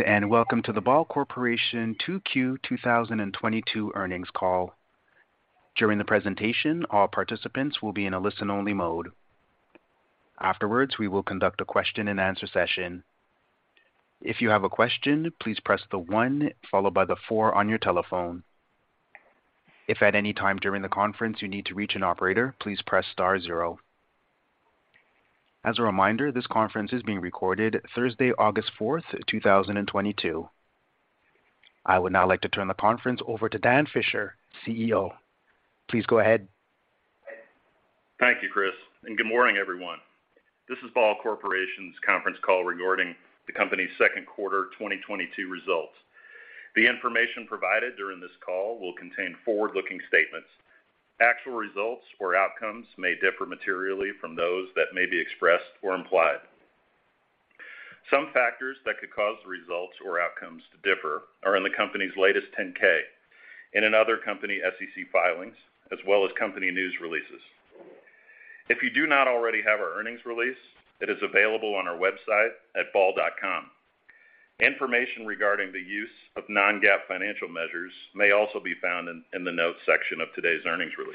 Welcome to the Ball Corporation 2Q2022 earnings call. During the presentation, all participants will be in a listen-only mode. Afterwards, we will conduct a question-and-answer session. If you have a question, please press the one followed by the four on your telephone. If at any time during the conference you need to reach an operator, please press star zero. As a reminder, this conference is being recorded Thursday, August fourth, two thousand and twenty-two. I would now like to turn the conference over to Dan Fisher, CEO. Please go ahead. Thank you, Chris, and good morning, everyone. This is Ball Corporation's conference call regarding the company's second quarter 2022 results. The information provided during this call will contain forward-looking statements. Actual results or outcomes may differ materially from those that may be expressed or implied. Some factors that could cause the results or outcomes to differ are in the company's latest 10-K and in other company SEC filings, as well as company news releases. If you do not already have our earnings release, it is available on our website at ball.com. Information regarding the use of non-GAAP financial measures may also be found in the notes section of today's earnings release.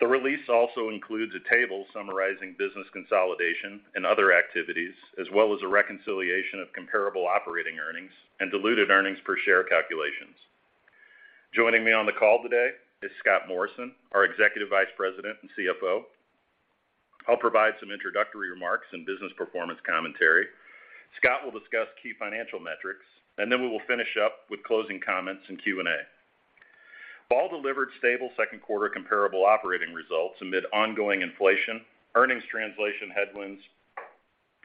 The release also includes a table summarizing business consolidation and other activities, as well as a reconciliation of comparable operating earnings and diluted earnings per share calculations. Joining me on the call today is Scott Morrison, our Executive Vice President and CFO. I'll provide some introductory remarks and business performance commentary. Scott will discuss key financial metrics, and then we will finish up with closing comments and Q&A. Ball delivered stable second quarter comparable operating results amid ongoing inflation, earnings translation headwinds,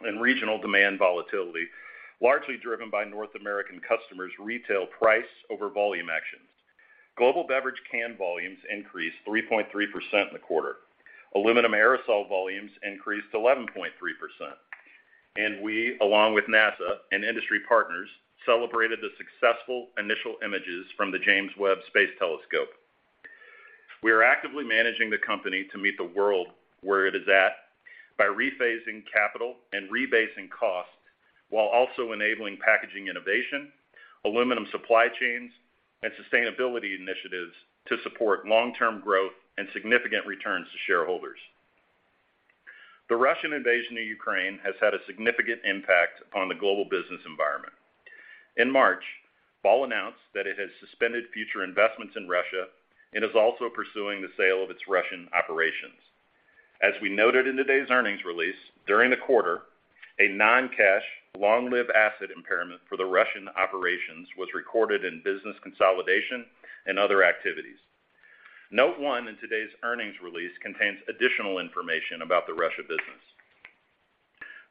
and regional demand volatility, largely driven by North American customers' retail price over volume actions. Global beverage can volumes increased 3.3% in the quarter. Aluminum aerosol volumes increased 11.3%. We, along with NASA and industry partners, celebrated the successful initial images from the James Webb Space Telescope. We are actively managing the company to meet the world where it is at by rephasing capital and rebasing costs while also enabling packaging innovation, aluminum supply chains, and sustainability initiatives to support long-term growth and significant returns to shareholders. The Russian invasion of Ukraine has had a significant impact upon the global business environment. In March, Ball announced that it has suspended future investments in Russia and is also pursuing the sale of its Russian operations. As we noted in today's earnings release, during the quarter, a non-cash long-lived asset impairment for the Russian operations was recorded in business consolidation and other activities. Note 1 in today's earnings release contains additional information about the Russia business.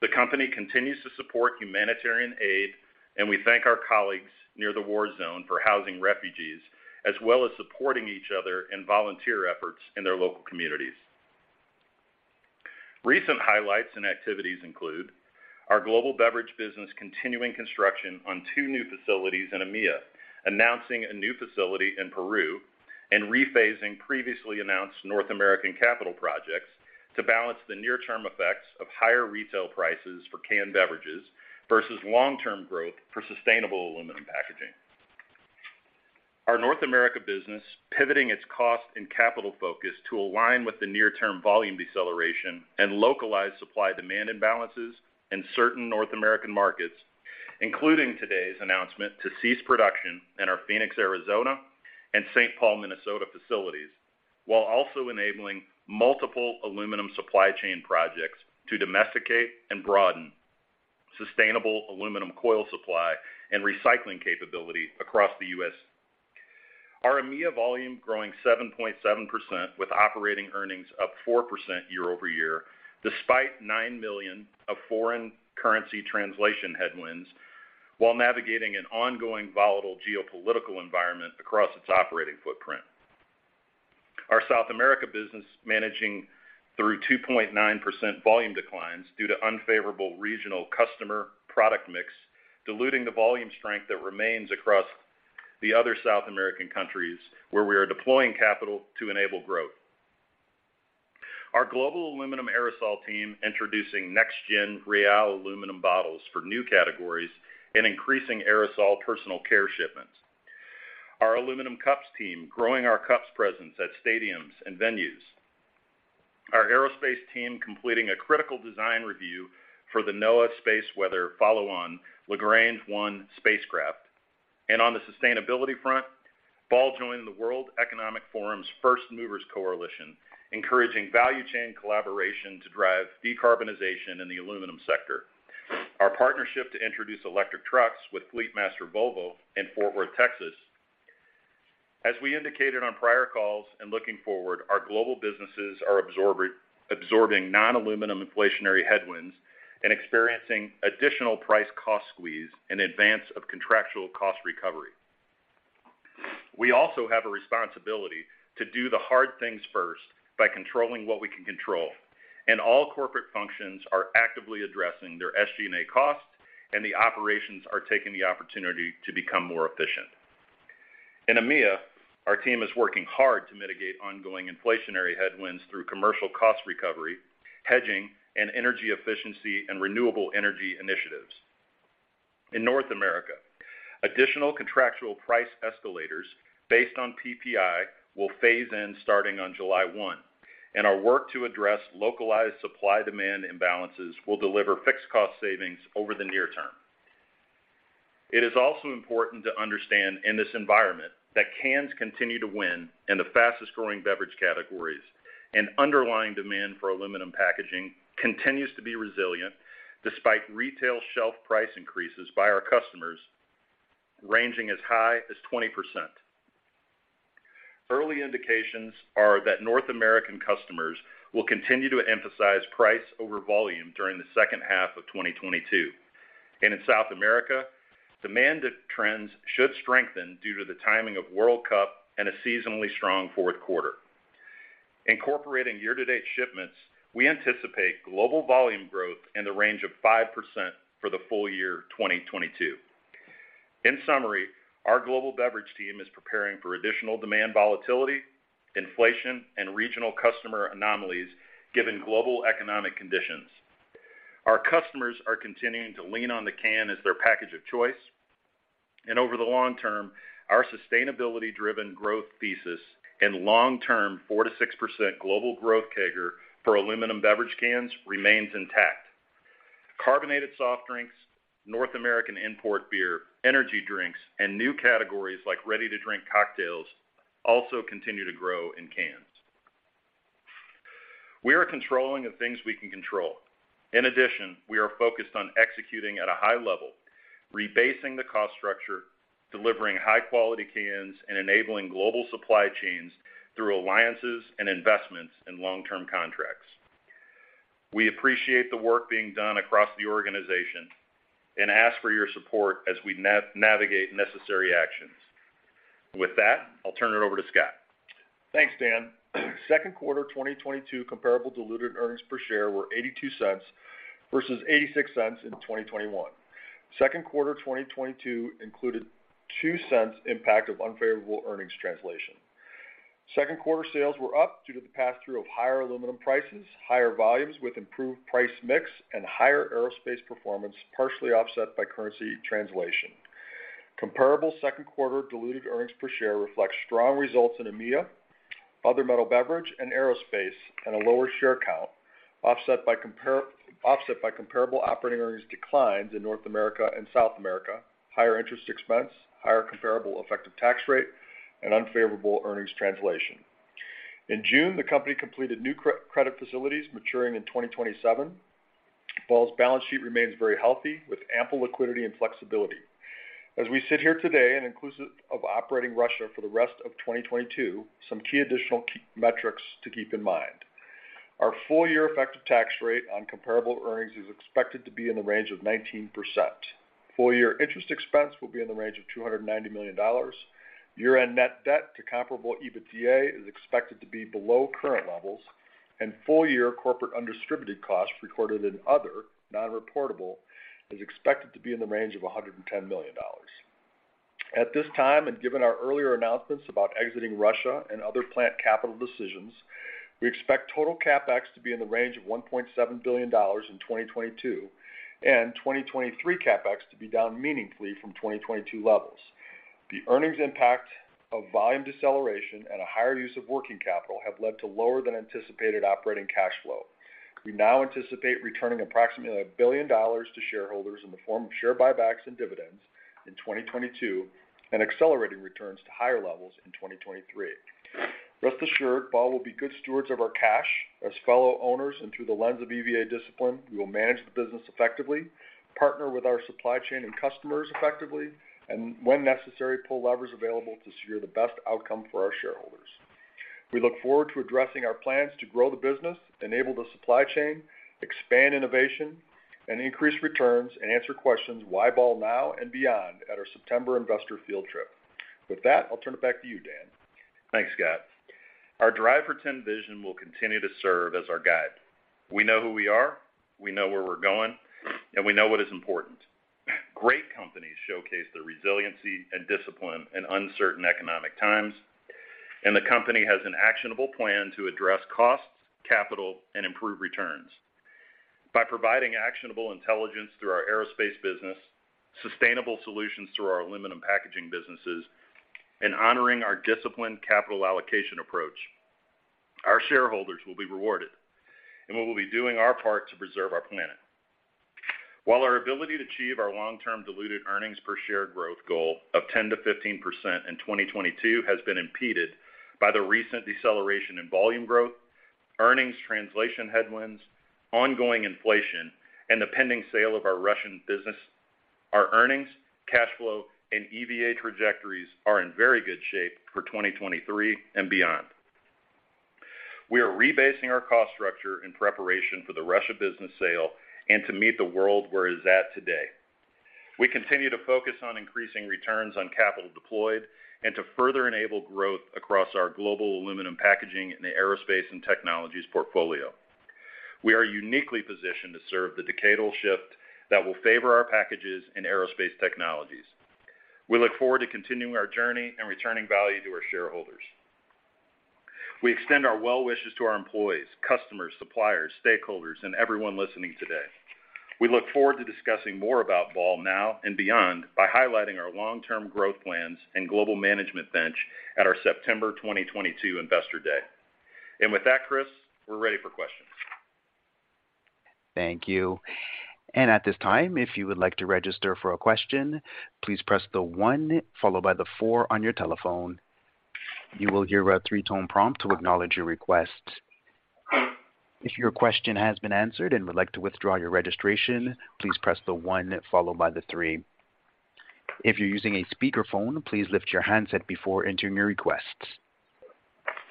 The company continues to support humanitarian aid, and we thank our colleagues near the war zone for housing refugees, as well as supporting each other in volunteer efforts in their local communities. Recent highlights and activities include our global beverage business continuing construction on two new facilities in EMEA, announcing a new facility in Peru, and rephasing previously announced North American capital projects to balance the near-term effects of higher retail prices for canned beverages versus long-term growth for sustainable aluminum packaging. Our North America business pivoting its cost and capital focus to align with the near-term volume deceleration and localized supply-demand imbalances in certain North American markets, including today's announcement to cease production in our Phoenix, Arizona, and St. Paul, Minnesota facilities, while also enabling multiple aluminum supply chain projects to domesticate and broaden sustainable aluminum coil supply and recycling capability across the U.S. Our EMEA volume growing 7.7% with operating earnings up 4% year-over-year, despite $9 million of foreign currency translation headwinds, while navigating an ongoing volatile geopolitical environment across its operating footprint. Our South America business managing through 2.9% volume declines due to unfavorable regional customer product mix, diluting the volume strength that remains across the other South American countries where we are deploying capital to enable growth. Our global aluminum aerosol team introducing next gen ReAl aluminum bottles for new categories and increasing aerosol personal care shipments. Our aluminum cups team growing our cups presence at stadiums and venues. Our aerospace team completing a critical design review for the NOAA space weather Follow On-Lagrange 1 spacecraft. On the sustainability front, Ball joined the World Economic Forum's First Movers Coalition, encouraging value chain collaboration to drive decarbonization in the aluminum sector. Our partnership to introduce electric trucks with Fleetmaster Volvo in Fort Worth, Texas. As we indicated on prior calls and looking forward, our global businesses are absorbing non-aluminum inflationary headwinds and experiencing additional price cost squeeze in advance of contractual cost recovery. We also have a responsibility to do the hard things first by controlling what we can control. All corporate functions are actively addressing their SG&A costs, and the operations are taking the opportunity to become more efficient. In EMEA, our team is working hard to mitigate ongoing inflationary headwinds through commercial cost recovery, hedging, and energy efficiency and renewable energy initiatives. In North America, additional contractual price escalators based on PPI will phase in starting on July 1, and our work to address localized supply-demand imbalances will deliver fixed cost savings over the near term. It is also important to understand in this environment that cans continue to win in the fastest-growing beverage categories, and underlying demand for aluminum packaging continues to be resilient despite retail shelf price increases by our customers ranging as high as 20%. Early indications are that North American customers will continue to emphasize price over volume during the second half of 2022. In South America, demand trends should strengthen due to the timing of World Cup and a seasonally strong fourth quarter. Incorporating year-to-date shipments, we anticipate global volume growth in the range of 5% for the full year 2022. In summary, our global beverage team is preparing for additional demand volatility, inflation, and regional customer anomalies, given global economic conditions. Our customers are continuing to lean on the can as their package of choice. Over the long term, our sustainability-driven growth thesis and long-term 4% to 6% global growth CAGR for aluminum beverage cans remains intact. Carbonated soft drinks, North American import beer, energy drinks, and new categories like ready-to-drink cocktails also continue to grow in cans. We are controlling the things we can control. In addition, we are focused on executing at a high level, rebasing the cost structure, delivering high-quality cans, and enabling global supply chains through alliances and investments in long-term contracts. We appreciate the work being done across the organization and ask for your support as we navigate necessary actions. With that, I'll turn it over to Scott. Thanks, Dan. Second quarter 2022 comparable diluted earnings per share were $0.82 versus $0.86 in 2021. Second quarter 2022 included $0.02 impact of unfavorable earnings translation. Second quarter sales were up due to the pass-through of higher aluminum prices, higher volumes with improved price mix, and higher aerospace performance, partially offset by currency translation. Comparable second quarter diluted earnings per share reflects strong results in EMEA, other metal beverage and aerospace, and a lower share count, offset by comparable operating earnings declines in North America and South America, higher interest expense, higher comparable effective tax rate, and unfavorable earnings translation. In June, the company completed new credit facilities maturing in 2027. Ball's balance sheet remains very healthy with ample liquidity and flexibility. As we sit here today and inclusive of operating Russia for the rest of 2022, some key additional metrics to keep in mind. Our full-year effective tax rate on comparable earnings is expected to be in the range of 19%. Full-year interest expense will be in the range of $290 million. Year-end net debt to comparable EBITDA is expected to be below current levels, and full-year corporate undistributed costs recorded in other non-reportable is expected to be in the range of $110 million. At this time, and given our earlier announcements about exiting Russia and other plant capital decisions, we expect total CapEx to be in the range of $1.7 billion in 2022 and 2023 CapEx to be down meaningfully from 2022 levels. The earnings impact of volume deceleration and a higher use of working capital have led to lower than anticipated operating cash flow. We now anticipate returning approximately $1 billion to shareholders in the form of share buybacks and dividends in 2022 and accelerating returns to higher levels in 2023. Rest assured, Ball will be good stewards of our cash. As fellow owners and through the lens of EVA discipline, we will manage the business effectively, partner with our supply chain and customers effectively, and when necessary, pull levers available to secure the best outcome for our shareholders. We look forward to addressing our plans to grow the business, enable the supply chain, expand innovation, and increase returns and answer questions why Ball now and beyond at our September investor field trip. With that, I'll turn it back to you, Dan. Thanks, Scott. Our Drive for Ten vision will continue to serve as our guide. We know who we are, we know where we're going, and we know what is important. Great companies showcase their resiliency and discipline in uncertain economic times, and the company has an actionable plan to address costs, capital, and improve returns. By providing actionable intelligence through our aerospace business, sustainable solutions through our aluminum packaging businesses, and honoring our disciplined capital allocation approach, our shareholders will be rewarded, and we will be doing our part to preserve our planet. While our ability to achieve our long-term diluted earnings per share growth goal of 10% to 15% in 2022 has been impeded by the recent deceleration in volume growth, earnings translation headwinds, ongoing inflation, and the pending sale of our Russian business, our earnings, cash flow, and EVA trajectories are in very good shape for 2023 and beyond. We are rebasing our cost structure in preparation for the Russia business sale and to meet the world where it is at today. We continue to focus on increasing returns on capital deployed and to further enable growth across our global aluminum packaging in the aerospace and technologies portfolio. We are uniquely positioned to serve the decadal shift that will favor our packages and aerospace technologies. We look forward to continuing our journey and returning value to our shareholders. We extend our well wishes to our employees, customers, suppliers, stakeholders, and everyone listening today. We look forward to discussing more about Ball now and beyond by highlighting our long-term growth plans and global management bench at our September 2022 Investor Day. With that, Chris, we're ready for questions. Thank you. At this time, if you would like to register for a question, please press the one followed by the four on your telephone. You will hear a three-tone prompt to acknowledge your request. If your question has been answered and would like to withdraw your registration, please press the one followed by the three. If you're using a speakerphone, please lift your handset before entering your requests.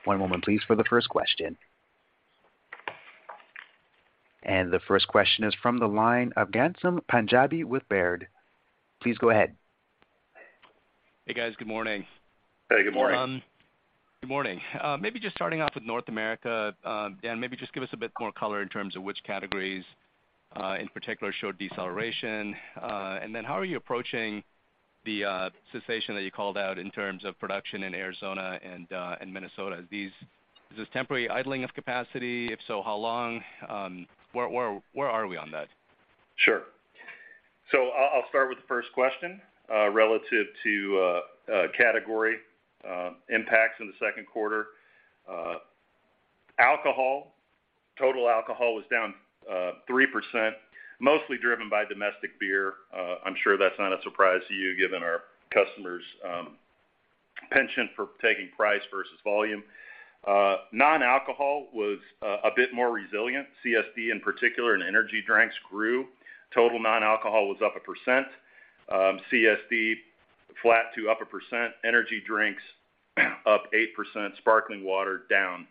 One moment, please, for the first question. The first question is from the line of Ghansham Panjabi with Baird. Please go ahead. Hey, guys. Good morning. Hey, good morning. Good morning. Maybe just starting off with North America, Dan, maybe just give us a bit more color in terms of which categories in particular showed deceleration. Then how are you approaching the cessation that you called out in terms of production in Arizona and Minnesota. Is this temporary idling of capacity? If so, how long? Where are we on that? Sure. I'll start with the first question, relative to category impacts in the second quarter. Alcohol, total alcohol was down 3%, mostly driven by domestic beer. I'm sure that's not a surprise to you given our customers' penchant for taking price versus volume. Non-alcohol was a bit more resilient. CSD in particular and energy drinks grew. Total non-alcohol was up 1%. CSD flat to up 1%. Energy drinks up 8%. Sparkling water down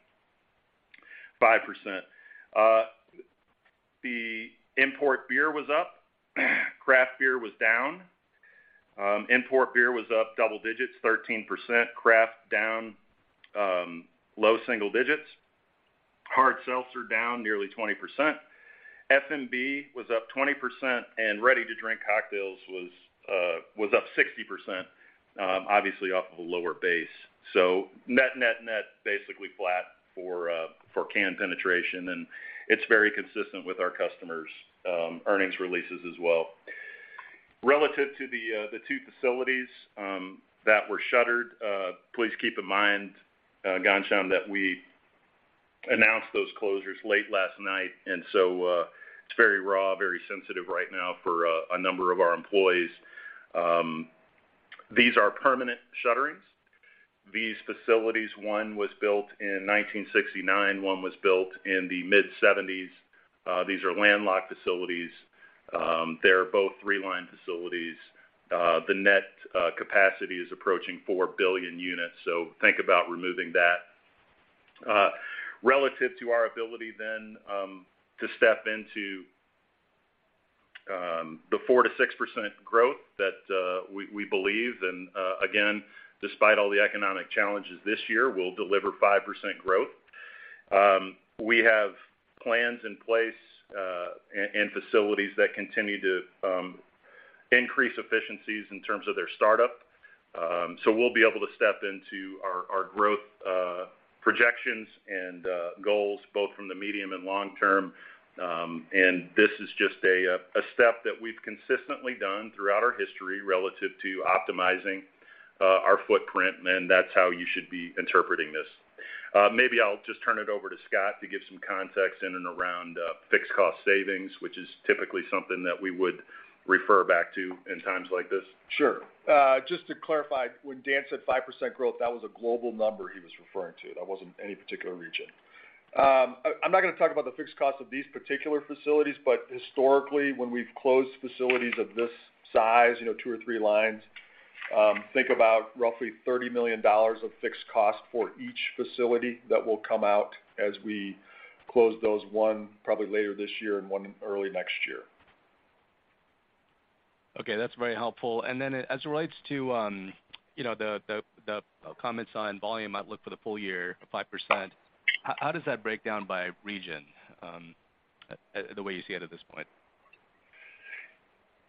5%. The import beer was up. Craft beer was down. Import beer was up double digits, 13%. Craft down low single digits. Hard seltzer down nearly 20%. FMB was up 20%, and ready-to-drink cocktails was up 60%, obviously off of a lower base. Net, basically flat for can penetration, and it's very consistent with our customers' earnings releases as well. Relative to the two facilities that were shuttered, please keep in mind, Ghansham, that we announced those closures late last night, and so it's very raw, very sensitive right now for a number of our employees. These are permanent shutterings. These facilities, one was built in 1969, one was built in the mid-1970s. These are landlocked facilities. They're both three-line facilities. The net capacity is approaching 4 billion units, so think about removing that. Relative to our ability then to step into the 4% to 6% growth that we believe, and again, despite all the economic challenges this year, we'll deliver 5% growth. We have plans in place, and facilities that continue to increase efficiencies in terms of their startup. We'll be able to step into our growth projections and goals both from the medium and long term. This is just a step that we've consistently done throughout our history relative to optimizing our footprint, and that's how you should be interpreting this. Maybe I'll just turn it over to Scott to give some context in and around fixed cost savings, which is typically something that we would refer back to in times like this. Sure. Just to clarify, when Dan said 5% growth, that was a global number he was referring to. That wasn't any particular region. I'm not gonna talk about the fixed cost of these particular facilities, but historically, when we've closed facilities of this size, you know, two or three lines, think about roughly $30 million of fixed cost for each facility that will come out as we close those, one probably later this year and one early next year. Okay, that's very helpful. As it relates to, you know, the comments on volume outlook for the full year of 5%, how does that break down by region, the way you see it at this point?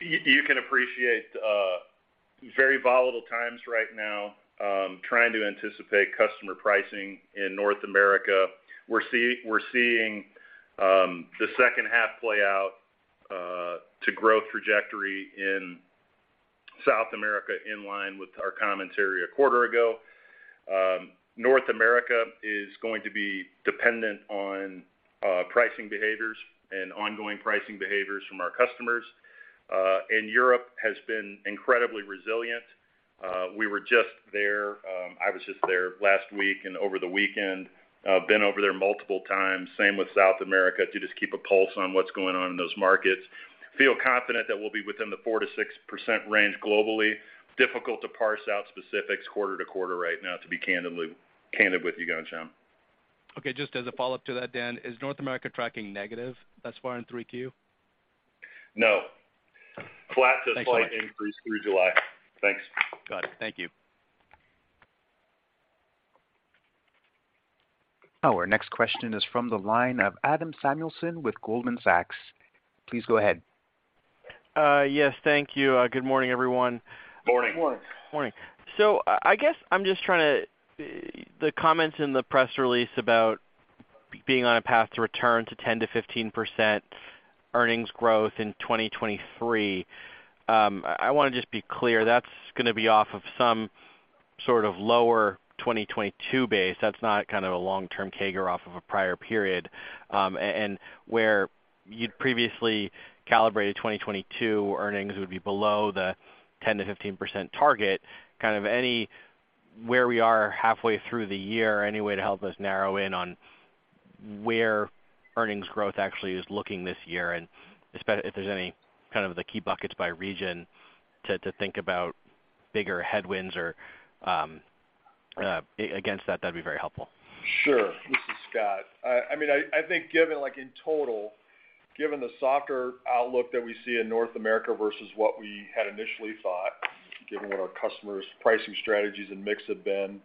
You can appreciate very volatile times right now, trying to anticipate customer pricing in North America. We're seeing the second half play out to growth trajectory in South America inline with our commentary a quarter ago. North America is going to be dependent on pricing behaviors and ongoing pricing behaviors from our customers. Europe has been incredibly resilient. We were just there, I was just there last week and over the weekend. Been over there multiple times, same with South America, to just keep a pulse on what's going on in those markets. Feel confident that we'll be within the 4%-6% range globally. Difficult to parse out specifics quarter to quarter right now to be candid with you, Ghansham. Okay. Just as a follow-up to that, Dan, is North America tracking negative thus far in 3Q? No. Flat to slight increase through July. Thanks a lot. Thanks. Got it. Thank you. Our next question is from the line of Adam Samuelson with Goldman Sachs. Please go ahead. Yes, thank you. Good morning, everyone. Morning. Morning. Morning. I guess I'm just trying to. The comments in the press release about being on a path to return to 10% to 15% earnings growth in 2023, I wanna just be clear, that's gonna be off of some sort of lower 2022 base. That's not kind of a long-term CAGR off of a prior period. Where you'd previously calibrated 2022 earnings would be below the 10% to 15% target, kind of where we are halfway through the year, any way to help us narrow in on where earnings growth actually is looking this year, and if there's any kind of the key buckets by region to think about bigger headwinds or against that'd be very helpful. Sure. This is Scott. I mean, I think given, like in total, given the softer outlook that we see in North America versus what we had initially thought, given what our customers' pricing strategies and mix have been,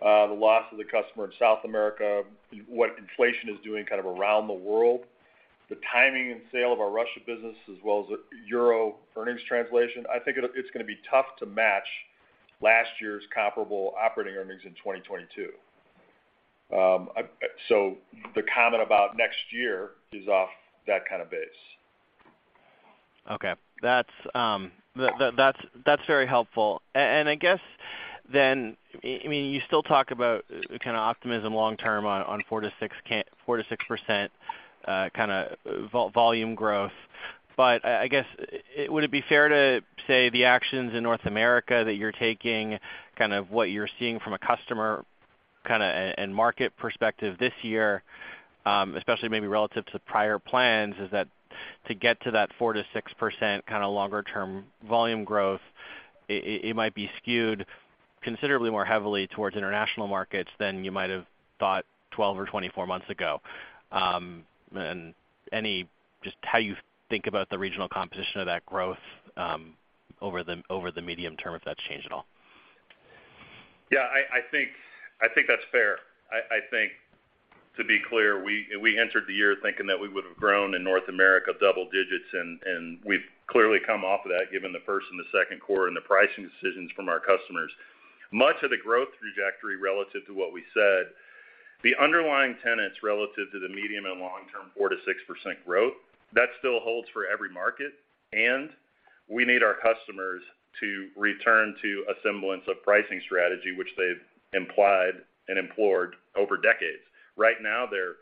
the loss of the customer in South America, what inflation is doing kind of around the world, the timing and sale of our Russian business, as well as euro earnings translation, I think it's gonna be tough to match last year's comparable operating earnings in 2022. The comment about next year is off that kind of base. Okay. That's very helpful. I guess then, I mean, you still talk about kinda optimism long term on 4% to 6% kinda volume growth, but I guess, would it be fair to say the actions in North America that you're taking, kind of what you're seeing from a customer kinda, and market perspective this year, especially maybe relative to prior plans, is that to get to that 4% to 6% kinda longer term volume growth, it might be skewed considerably more heavily towards international markets than you might have thought 12 or 24 months ago. Just how you think about the regional composition of that growth, over the medium term, if that's changed at all. Yeah, I think that's fair. I think to be clear, we entered the year thinking that we would have grown in North America double digits, and we've clearly come off of that, given the first and the second quarter and the pricing decisions from our customers. Much of the growth trajectory relative to what we said, the underlying tenets relative to the medium- and long-term 4% to 6% growth, that still holds for every market, and we need our customers to return to a semblance of pricing strategy which they've implied and implored over decades. Right now, they're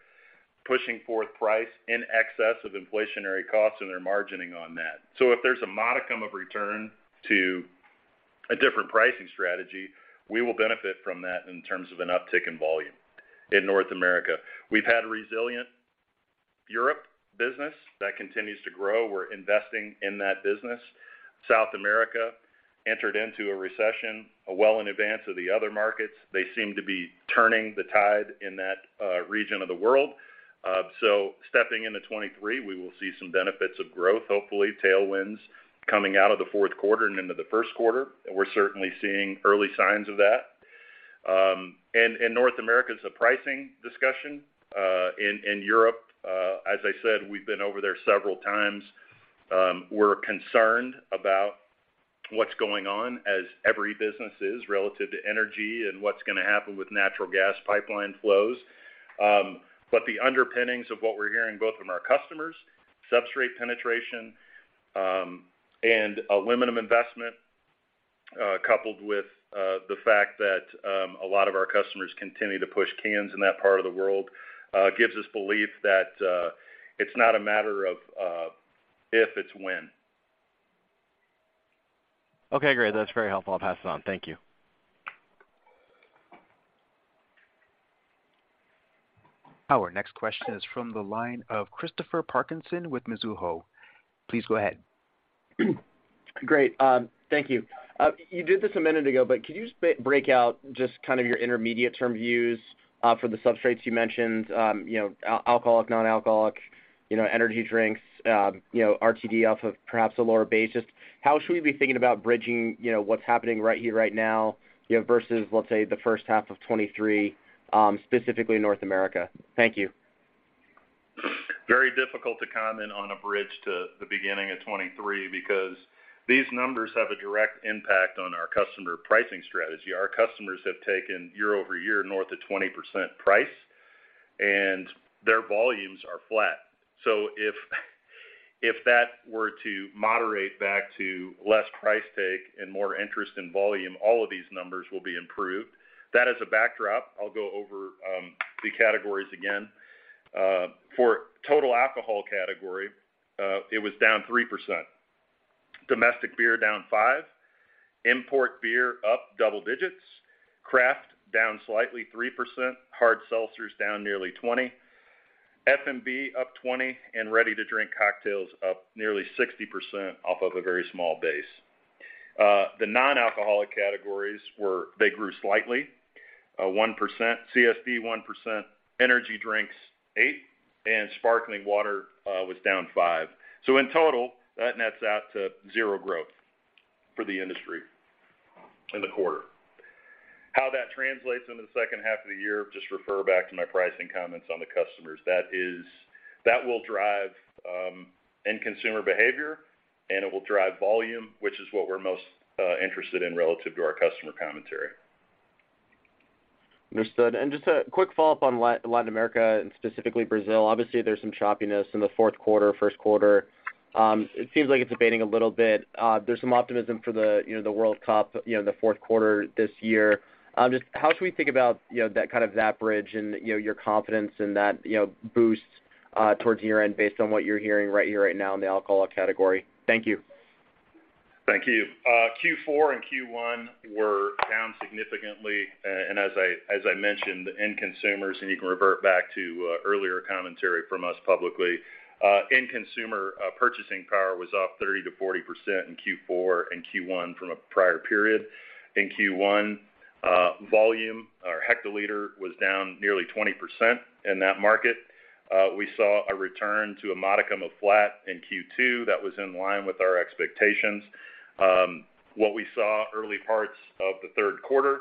pushing forth price in excess of inflationary costs, and they're margining on that. If there's a modicum of return to a different pricing strategy, we will benefit from that in terms of an uptick in volume in North America. We've had a resilient Europe business that continues to grow. We're investing in that business. South America entered into a recession, well in advance of the other markets. They seem to be turning the tide in that region of the world. Stepping into 2023, we will see some benefits of growth, hopefully tailwinds coming out of the fourth quarter and into the first quarter. We're certainly seeing early signs of that. North America is a pricing discussion. In Europe, as I said, we've been over there several times. We're concerned about what's going on as every business is relative to energy and what's gonna happen with natural gas pipeline flows. The underpinnings of what we're hearing both from our customers, substrate penetration, and aluminum investment, coupled with the fact that a lot of our customers continue to push cans in that part of the world, gives us belief that it's not a matter of if, it's when. Okay, great. That's very helpful. I'll pass it on. Thank you. Our next question is from the line of Christopher Parkinson with Mizuho. Please go ahead. Great. Thank you. You did this a minute ago, but could you break out just kind of your intermediate term views, for the substrates you mentioned, you know, alcoholic, non-alcoholic, you know, energy drinks, you know, RTD off of perhaps a lower base? Just how should we be thinking about bridging, you know, what's happening right here right now, you know, versus, let's say, the first half of 2023, specifically North America? Thank you. Very difficult to comment on a bridge to the beginning of 2023 because these numbers have a direct impact on our customer pricing strategy. Our customers have taken year-over-year north of 20% price, and their volumes are flat. If that were to moderate back to less price take and more interest in volume, all of these numbers will be improved. That as a backdrop. I'll go over the categories again. For total alcohol category, it was down 3%. Domestic beer down 5%. Import beer up double digits. Craft down slightly 3%. Hard seltzers down nearly 20%. F&B up 20%, and ready-to-drink cocktails up nearly 60% off of a very small base. The non-alcoholic categories grew slightly 1%. CSD 1%, energy drinks 8%, and sparkling water was down 5%. In total, that nets out to zero growth for the industry in the quarter. How that translates into the second half of the year, just refer back to my pricing comments on the customers. That will drive end consumer behavior, and it will drive volume, which is what we're most interested in relative to our customer commentary. Understood. Just a quick follow-up on Latin America and specifically Brazil. Obviously, there's some choppiness in the fourth quarter, first quarter. It seems like it's abating a little bit. There's some optimism for the, you know, the World Cup, you know, in the fourth quarter this year. Just how should we think about, you know, that kind of that bridge and, you know, your confidence in that, you know, boost towards year-end based on what you're hearing right here right now in the alcohol category? Thank you. Thank you. Q4 and Q1 were down significantly. As I mentioned, the end consumers, and you can revert back to earlier commentary from us publicly, end consumer purchasing power was up 30%-40% in Q4 and Q1 from a prior period. In Q1, volume or hectoliter was down nearly 20% in that market. We saw a return to a modicum of flat in Q2 that was in line with our expectations. What we saw early parts of the third quarter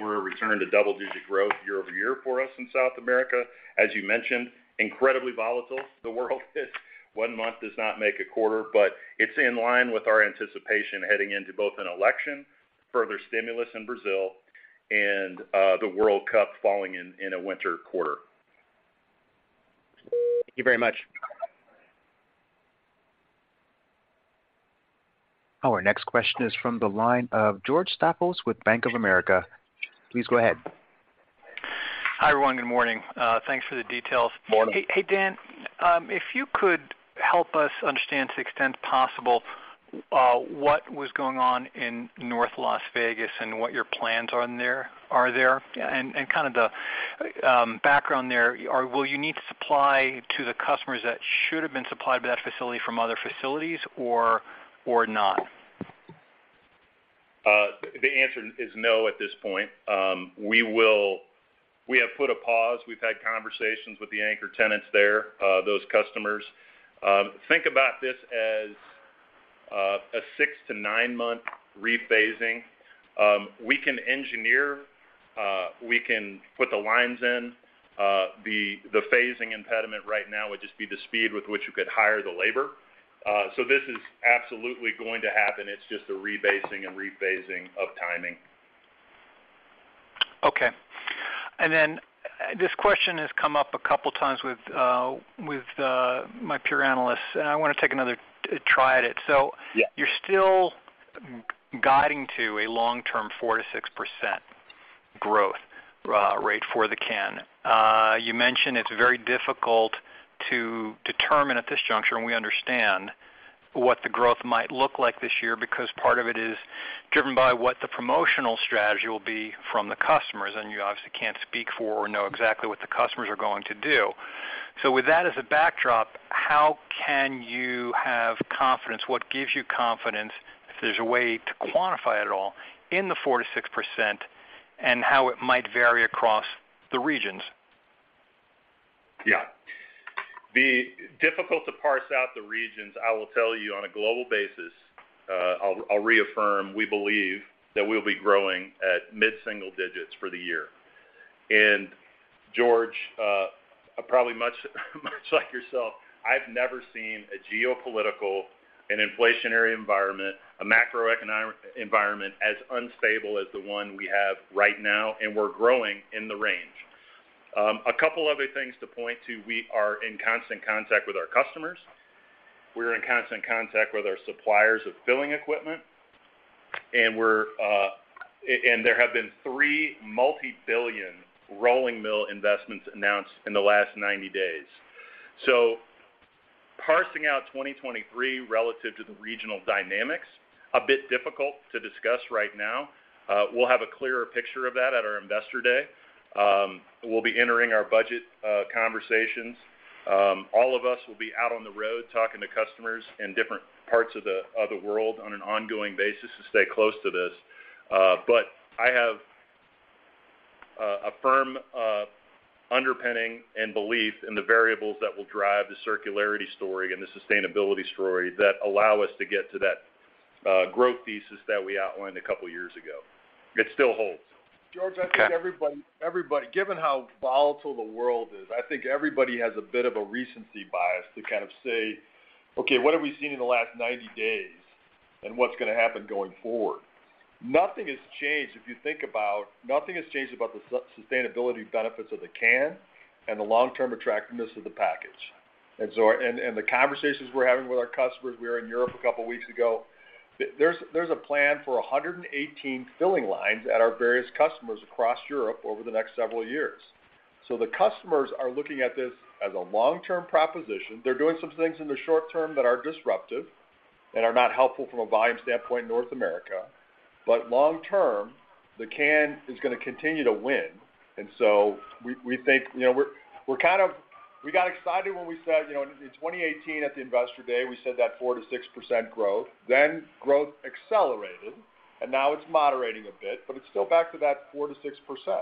were a return to double-digit growth year-over-year for us in South America. As you mentioned, incredibly volatile, the world is. One month does not make a quarter, but it's in line with our anticipation heading into both an election, further stimulus in Brazil and the World Cup falling in a winter quarter. Thank you very much. Our next question is from the line of George Staphos with Bank of America. Please go ahead. Hi, everyone. Good morning. Thanks for the details. Morning. Hey, Dan. If you could help us understand to the extent possible what was going on in North Las Vegas and what your plans are there, and kind of the background there. Or will you need to supply to the customers that should have been supplied by that facility from other facilities or not? The answer is no at this point. We have put a pause. We've had conversations with the anchor tenants there, those customers. Think about this as a 6-9-month rephasing. We can engineer, we can put the lines in. The phasing impediment right now would just be the speed with which we could hire the labor. This is absolutely going to happen. It's just a rebasing and rephasing of timing. Okay. This question has come up a couple of times with my peer analysts, and I wanna take another try at it. Yeah. You're still guiding to a long-term 4% to 6% growth rate for the can. You mentioned it's very difficult to determine at this juncture, and we understand what the growth might look like this year because part of it is driven by what the promotional strategy will be from the customers, and you obviously can't speak for or know exactly what the customers are going to do. With that as a backdrop, how can you have confidence? What gives you confidence, if there's a way to quantify it at all, in the 4% to 6%, and how it might vary across the regions? Yeah. It'll be difficult to parse out the regions. I will tell you, on a global basis, I'll reaffirm, we believe that we'll be growing at mid-single digits for the year. George, probably much like yourself, I've never seen a geopolitical and inflationary environment, a macroeconomic environment as unstable as the one we have right now, and we're growing in the range. A couple other things to point to. We are in constant contact with our customers. We're in constant contact with our suppliers of filling equipment, and there have been three multi-billion rolling mill investments announced in the last 90 days. Parsing out 2023 relative to the regional dynamics, a bit difficult to discuss right now. We'll have a clearer picture of that at our Investor Day. We'll be entering our budget conversations. All of us will be out on the road talking to customers in different parts of the world on an ongoing basis to stay close to this. I have a firm underpinning and belief in the variables that will drive the circularity story and the sustainability story that allow us to get to that growth thesis that we outlined a couple of years ago. It still holds. Okay. George, I think everybody. Given how volatile the world is, I think everybody has a bit of a recency bias to kind of say, "Okay, what have we seen in the last 90 days, and what's gonna happen going forward?" Nothing has changed about the sustainability benefits of the can and the long-term attractiveness of the package. The conversations we're having with our customers. We were in Europe a couple weeks ago. There's a plan for 118 filling lines at our various customers across Europe over the next several years. The customers are looking at this as a long-term proposition. They're doing some things in the short term that are disruptive and are not helpful from a volume standpoint in North America. Long term, the can is gonna continue to win. We got excited when we said, you know, in 2018 at the Investor Day, we said that 4% to 6% growth. Growth accelerated, and now it's moderating a bit, but it's still back to that 4% to 6%.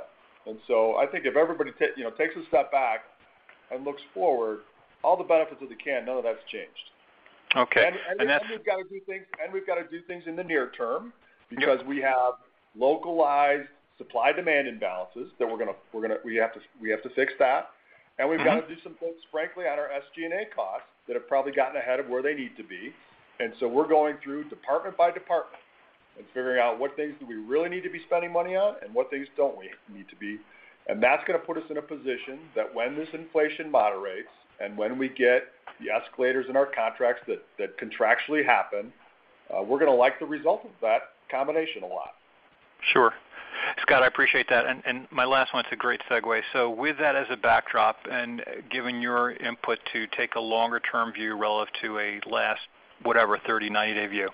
I think if everybody, you know, takes a step back. Looks forward to all the benefits of the can, none of that's changed. Okay. We've got to do things in the near term. Yep because we have localized supply-demand imbalances that we have to fix that. Mm-hmm. We've got to do some things, frankly, on our SG&A costs that have probably gotten ahead of where they need to be. We're going through department by department and figuring out what things do we really need to be spending money on and what things don't we need to be. That's gonna put us in a position that when this inflation moderates and when we get the escalators in our contracts that contractually happen, we're gonna like the result of that combination a lot. Sure. Scott, I appreciate that. My last one, it's a great segue. With that as a backdrop and given your input to take a longer-term view relative to a last, whatever, 30-90-day view,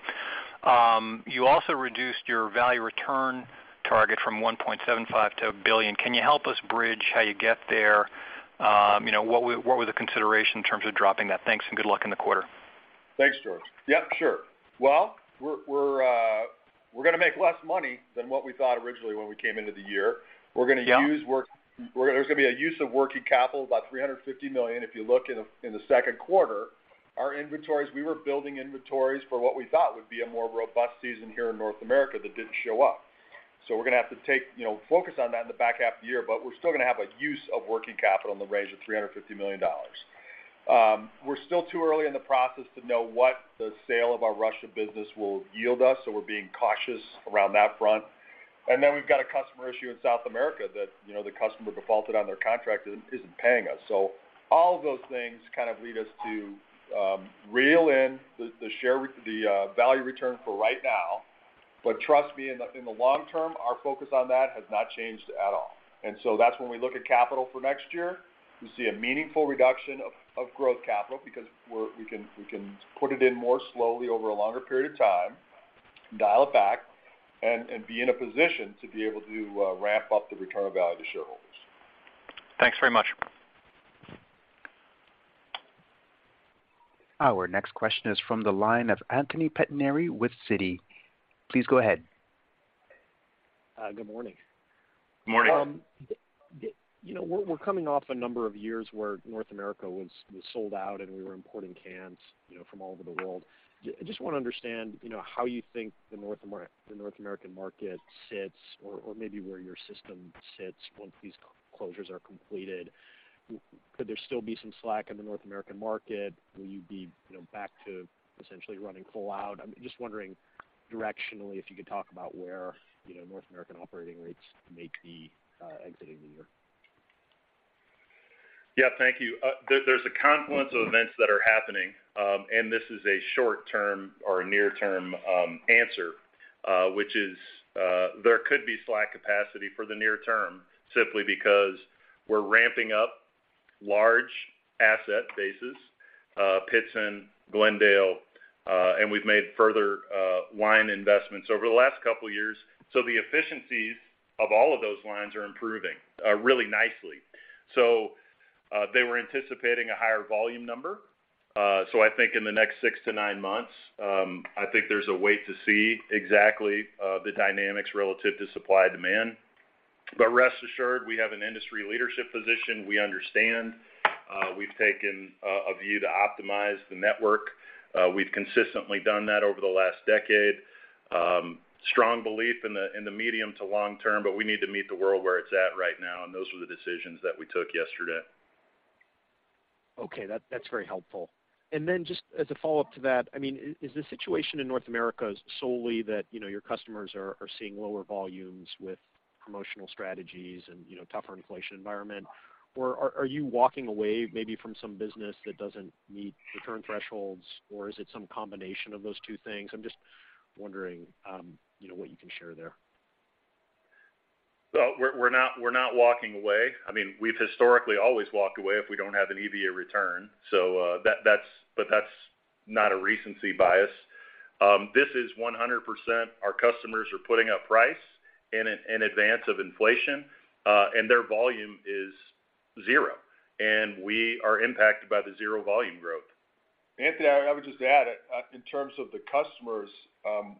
you also reduced your value return target from $1.75 billion to $1 billion. Can you help us bridge how you get there? You know, what were the consideration in terms of dropping that? Thanks, and good luck in the quarter. Thanks, George. Yeah, sure. Well, we're gonna make less money than what we thought originally when we came into the year. Yeah. There's gonna be a use of working capital, about $350 million. If you look in the second quarter, our inventories, we were building inventories for what we thought would be a more robust season here in North America that didn't show up. We're gonna have to take, you know, focus on that in the back half of the year, but we're still gonna have a use of working capital in the range of $350 million. We're still too early in the process to know what the sale of our Russia business will yield us, so we're being cautious around that front. Then we've got a customer issue in South America that, you know, the customer defaulted on their contract and isn't paying us. All of those things kind of lead us to reel in the value return for right now. Trust me, in the long term, our focus on that has not changed at all. That's when we look at capital for next year. We see a meaningful reduction of growth capital because we can put it in more slowly over a longer period of time, dial it back, and be in a position to be able to ramp up the return value to shareholders. Thanks very much. Our next question is from the line of Anthony Pettinari with Citi. Please go ahead. Good morning. Morning. You know, we're coming off a number of years where North America was sold out, and we were importing cans, you know, from all over the world. I just wanna understand, you know, how you think the North American market sits or maybe where your system sits once these closures are completed. Could there still be some slack in the North American market? Will you be, you know, back to essentially running full out? I'm just wondering directionally if you could talk about where, you know, North American operating rates may be exiting the year. Yeah. Thank you. There's a confluence of events that are happening, and this is a short-term or a near-term answer, which is, there could be slack capacity for the near term simply because we're ramping up large asset bases, Pittston, Glendale, and we've made further line investments over the last couple years. The efficiencies of all of those lines are improving really nicely. They were anticipating a higher volume number. I think in the next 6-9 months, I think there's a wait to see exactly the dynamics relative to supply-demand. Rest assured, we have an industry leadership position. We understand. We've taken a view to optimize the network. We've consistently done that over the last decade. Strong belief in the medium to long term, but we need to meet the world where it's at right now, and those were the decisions that we took yesterday. Okay. That's very helpful. Just as a follow-up to that, I mean, is the situation in North America solely that, you know, your customers are seeing lower volumes with promotional strategies and, you know, tougher inflation environment? Are you walking away maybe from some business that doesn't meet return thresholds, or is it some combination of those two things? I'm just wondering, you know, what you can share there. Well, we're not walking away. I mean, we've historically always walked away if we don't have an EVA return. But that's not a recency bias. This is 100% our customers are putting up price in advance of inflation, and their volume is zero, and we are impacted by the zero volume growth. Anthony, I would just add, in terms of the customers,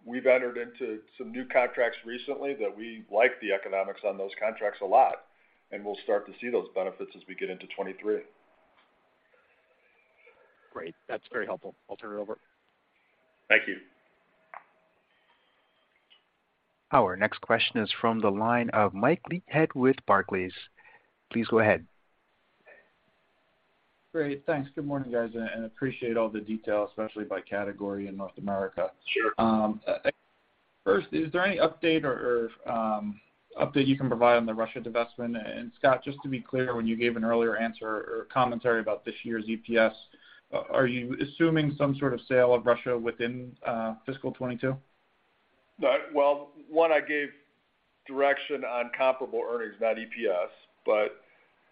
we've entered into some new contracts recently that we like the economics on those contracts a lot, and we'll start to see those benefits as we get into 2023. Great. That's very helpful. I'll turn it over. Thank you. Our next question is from the line of Mike Leithead with Barclays. Please go ahead. Great. Thanks. Good morning, guys, and appreciate all the detail, especially by category in North America. Sure. First, is there any update you can provide on the Russia divestment? Scott, just to be clear, when you gave an earlier answer or commentary about this year's EPS, are you assuming some sort of sale of Russia within fiscal 2022? Well, one, I gave direction on comparable earnings, not EPS, but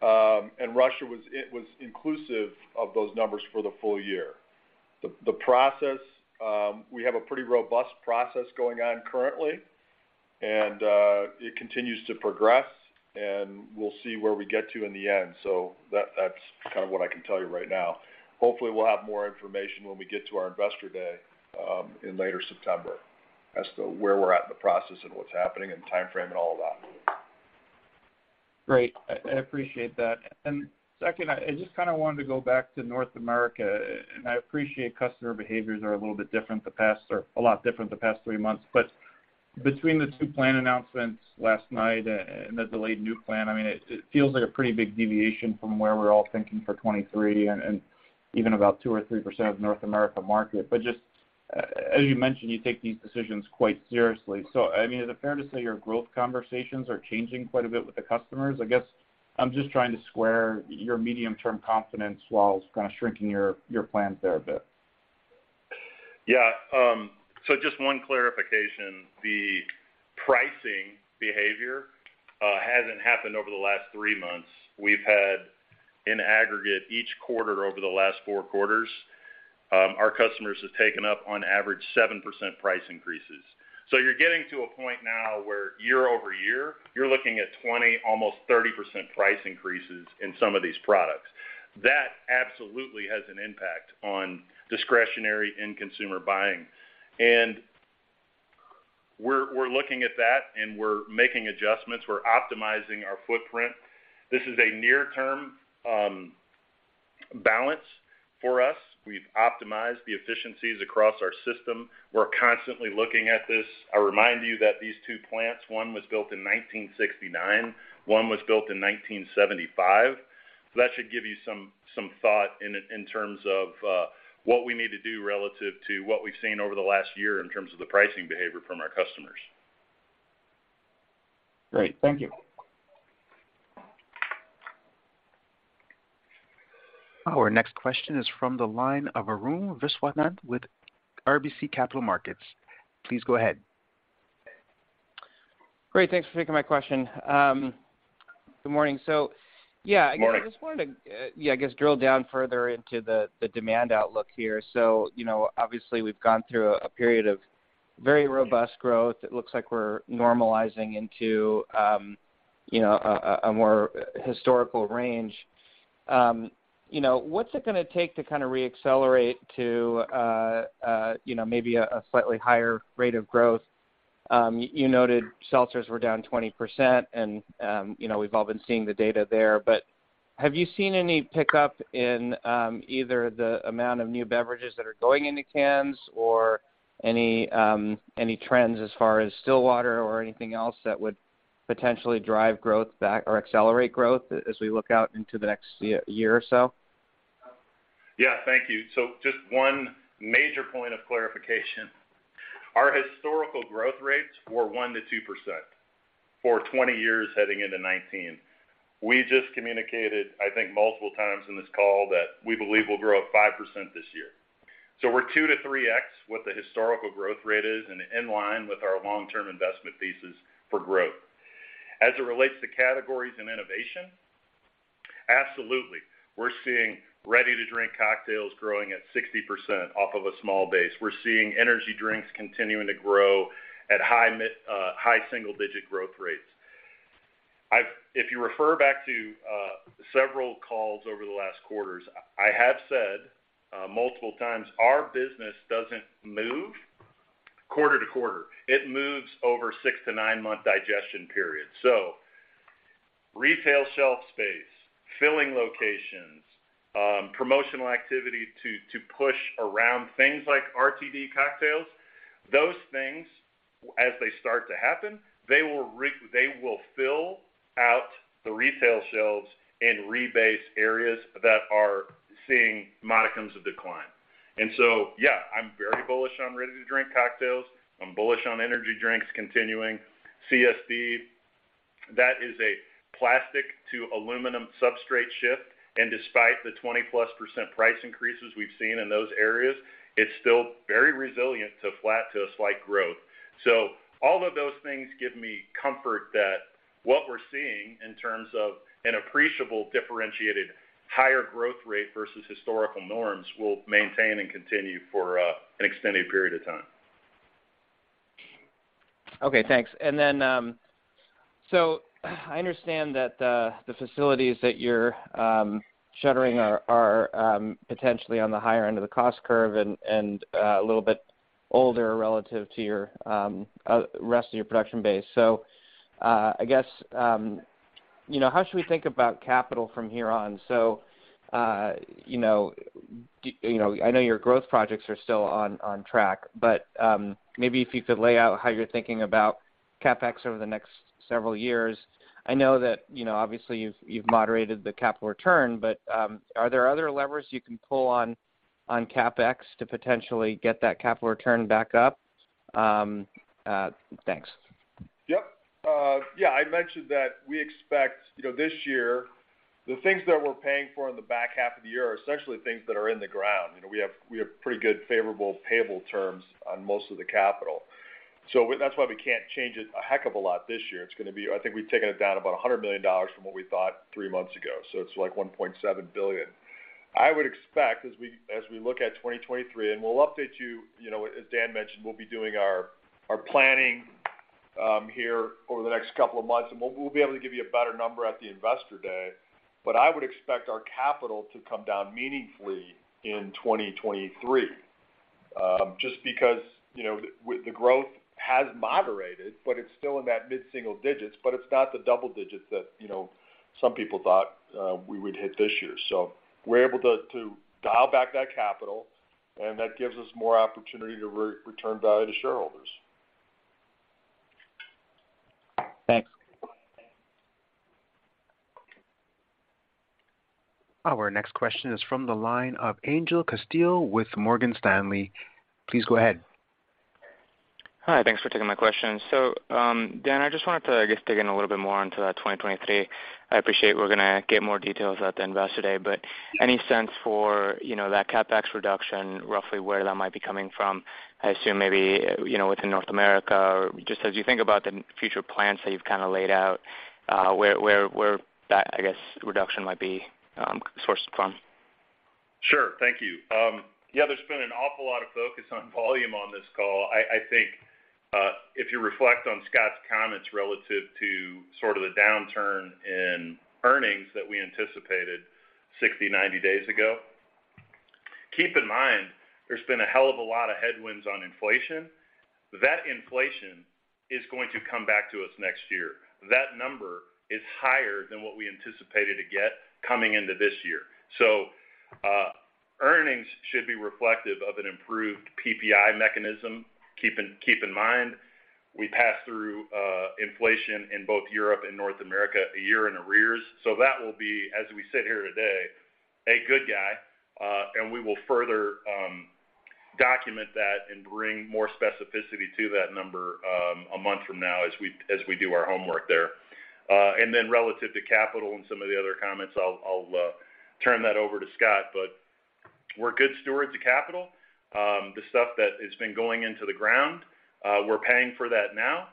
and Russia was inclusive of those numbers for the full year. The process we have a pretty robust process going on currently, and it continues to progress, and we'll see where we get to in the end. That's kind of what I can tell you right now. Hopefully, we'll have more information when we get to our Investor Day in later September. As to where we're at in the process and what's happening and timeframe and all of that. Great. I appreciate that. Second, I just kinda wanted to go back to North America. I appreciate customer behaviors are a little bit different or a lot different the past three months, but between the two plant announcements last night and the delayed new plant, I mean, it feels like a pretty big deviation from where we're all thinking for 2023 and even about 2 or 3% of North America market. Just as you mentioned, you take these decisions quite seriously. I mean, is it fair to say your growth conversations are changing quite a bit with the customers? I guess I'm just trying to square your medium-term confidence while kind of shrinking your plans there a bit. Yeah. Just one clarification. The pricing behavior hasn't happened over the last three months. We've had in aggregate each quarter over the last four quarters, our customers have taken up on average 7% price increases. You're getting to a point now where year over year, you're looking at 20, almost 30% price increases in some of these products. That absolutely has an impact on discretionary and consumer buying. We're looking at that, and we're making adjustments. We're optimizing our footprint. This is a near-term balance for us. We've optimized the efficiencies across our system. We're constantly looking at this. I remind you that these two plants, one was built in 1969, one was built in 1975. That should give you some thought in terms of what we need to do relative to what we've seen over the last year in terms of the pricing behavior from our customers. Great. Thank you. Our next question is from the line of Arun Viswanathan with RBC Capital Markets. Please go ahead. Great. Thanks for taking my question. Good morning. Morning. I just wanted to drill down further into the demand outlook here. You know, obviously, we've gone through a period of very robust growth. It looks like we're normalizing into you know, a more historical range. You know, what's it gonna take to kind of re-accelerate to you know, maybe a slightly higher rate of growth? You noted seltzers were down 20% and you know, we've all been seeing the data there. Have you seen any pickup in either the amount of new beverages that are going into cans or any trends as far as still water or anything else that would potentially drive growth back or accelerate growth as we look out into the next year or so? Yeah, thank you. Just one major point of clarification. Our historical growth rates were 1%-2% for 20 years heading into 2019. We just communicated, I think, multiple times in this call that we believe we'll grow at 5% this year. We're 2x-3x what the historical growth rate is and in line with our long-term investment thesis for growth. As it relates to categories and innovation, absolutely, we're seeing ready to drink cocktails growing at 60% off of a small base. We're seeing energy drinks continuing to grow at high single-digit growth rates. If you refer back to several calls over the last quarters, I have said multiple times, our business doesn't move quarter to quarter. It moves over 6- to 9-month digestion periods. Retail shelf space, filling locations, promotional activity to push around things like RTD cocktails, those things, as they start to happen, they will fill out the retail shelves and rebase areas that are seeing modicums of decline. Yeah, I'm very bullish on ready-to-drink cocktails. I'm bullish on energy drinks continuing. CSD, that is a plastic to aluminum substrate shift, and despite the 20%+ price increases we've seen in those areas, it's still very resilient to flat to a slight growth. All of those things give me comfort that what we're seeing in terms of an appreciable differentiated higher growth rate versus historical norms will maintain and continue for an extended period of time. Okay, thanks. I understand that the facilities that you're shuttering are potentially on the higher end of the cost curve and a little bit older relative to the rest of your production base. I guess, you know, how should we think about capital from here on? You know, I know your growth projects are still on track, but maybe if you could lay out how you're thinking about CapEx over the next several years. I know that, you know, obviously, you've moderated the capital return, but are there other levers you can pull on CapEx to potentially get that capital return back up? Thanks. Yep. Yeah, I mentioned that we expect, you know, this year, the things that we're paying for in the back half of the year are essentially things that are in the ground. You know, we have pretty good favorable payable terms on most of the capital. So that's why we can't change it a heck of a lot this year. It's gonna be. I think we've taken it down about $100 million from what we thought three months ago, so it's like $1.7 billion. I would expect as we look at 2023, and we'll update you know, as Dan mentioned, we'll be doing our planning. Over the next couple of months, we'll be able to give you a better number at the Investor Day, but I would expect our capital to come down meaningfully in 2023. Just because, you know, the growth has moderated, but it's still in that mid-single digits, but it's not the double digits that, you know, some people thought we would hit this year. We're able to dial back that capital, and that gives us more opportunity to return value to shareholders. Thanks. Our next question is from the line of Angel Castillo with Morgan Stanley. Please go ahead. Hi, thanks for taking my question. Dan, I just wanted to, I guess, dig in a little bit more into that 2023. I appreciate we're gonna get more details at the Investor Day. Any sense for, you know, that CapEx reduction, roughly where that might be coming from? I assume maybe, you know, within North America, or just as you think about the future plans that you've kind of laid out, where that, I guess, reduction might be sourced from? Sure. Thank you. Yeah, there's been an awful lot of focus on volume on this call. I think if you reflect on Scott's comments relative to sort of the downturn in earnings that we anticipated 60, 90 days ago, keep in mind there's been a hell of a lot of headwinds on inflation. That inflation is going to come back to us next year. That number is higher than what we anticipated to get coming into this year. Earnings should be reflective of an improved PPI mechanism. Keep in mind, we pass through inflation in both Europe and North America a year in arrears. That will be, as we sit here today, a good guide, and we will further document that and bring more specificity to that number, a month from now as we do our homework there. Relative to capital and some of the other comments, I'll turn that over to Scott. We're good stewards of capital. The stuff that has been going into the ground, we're paying for that now.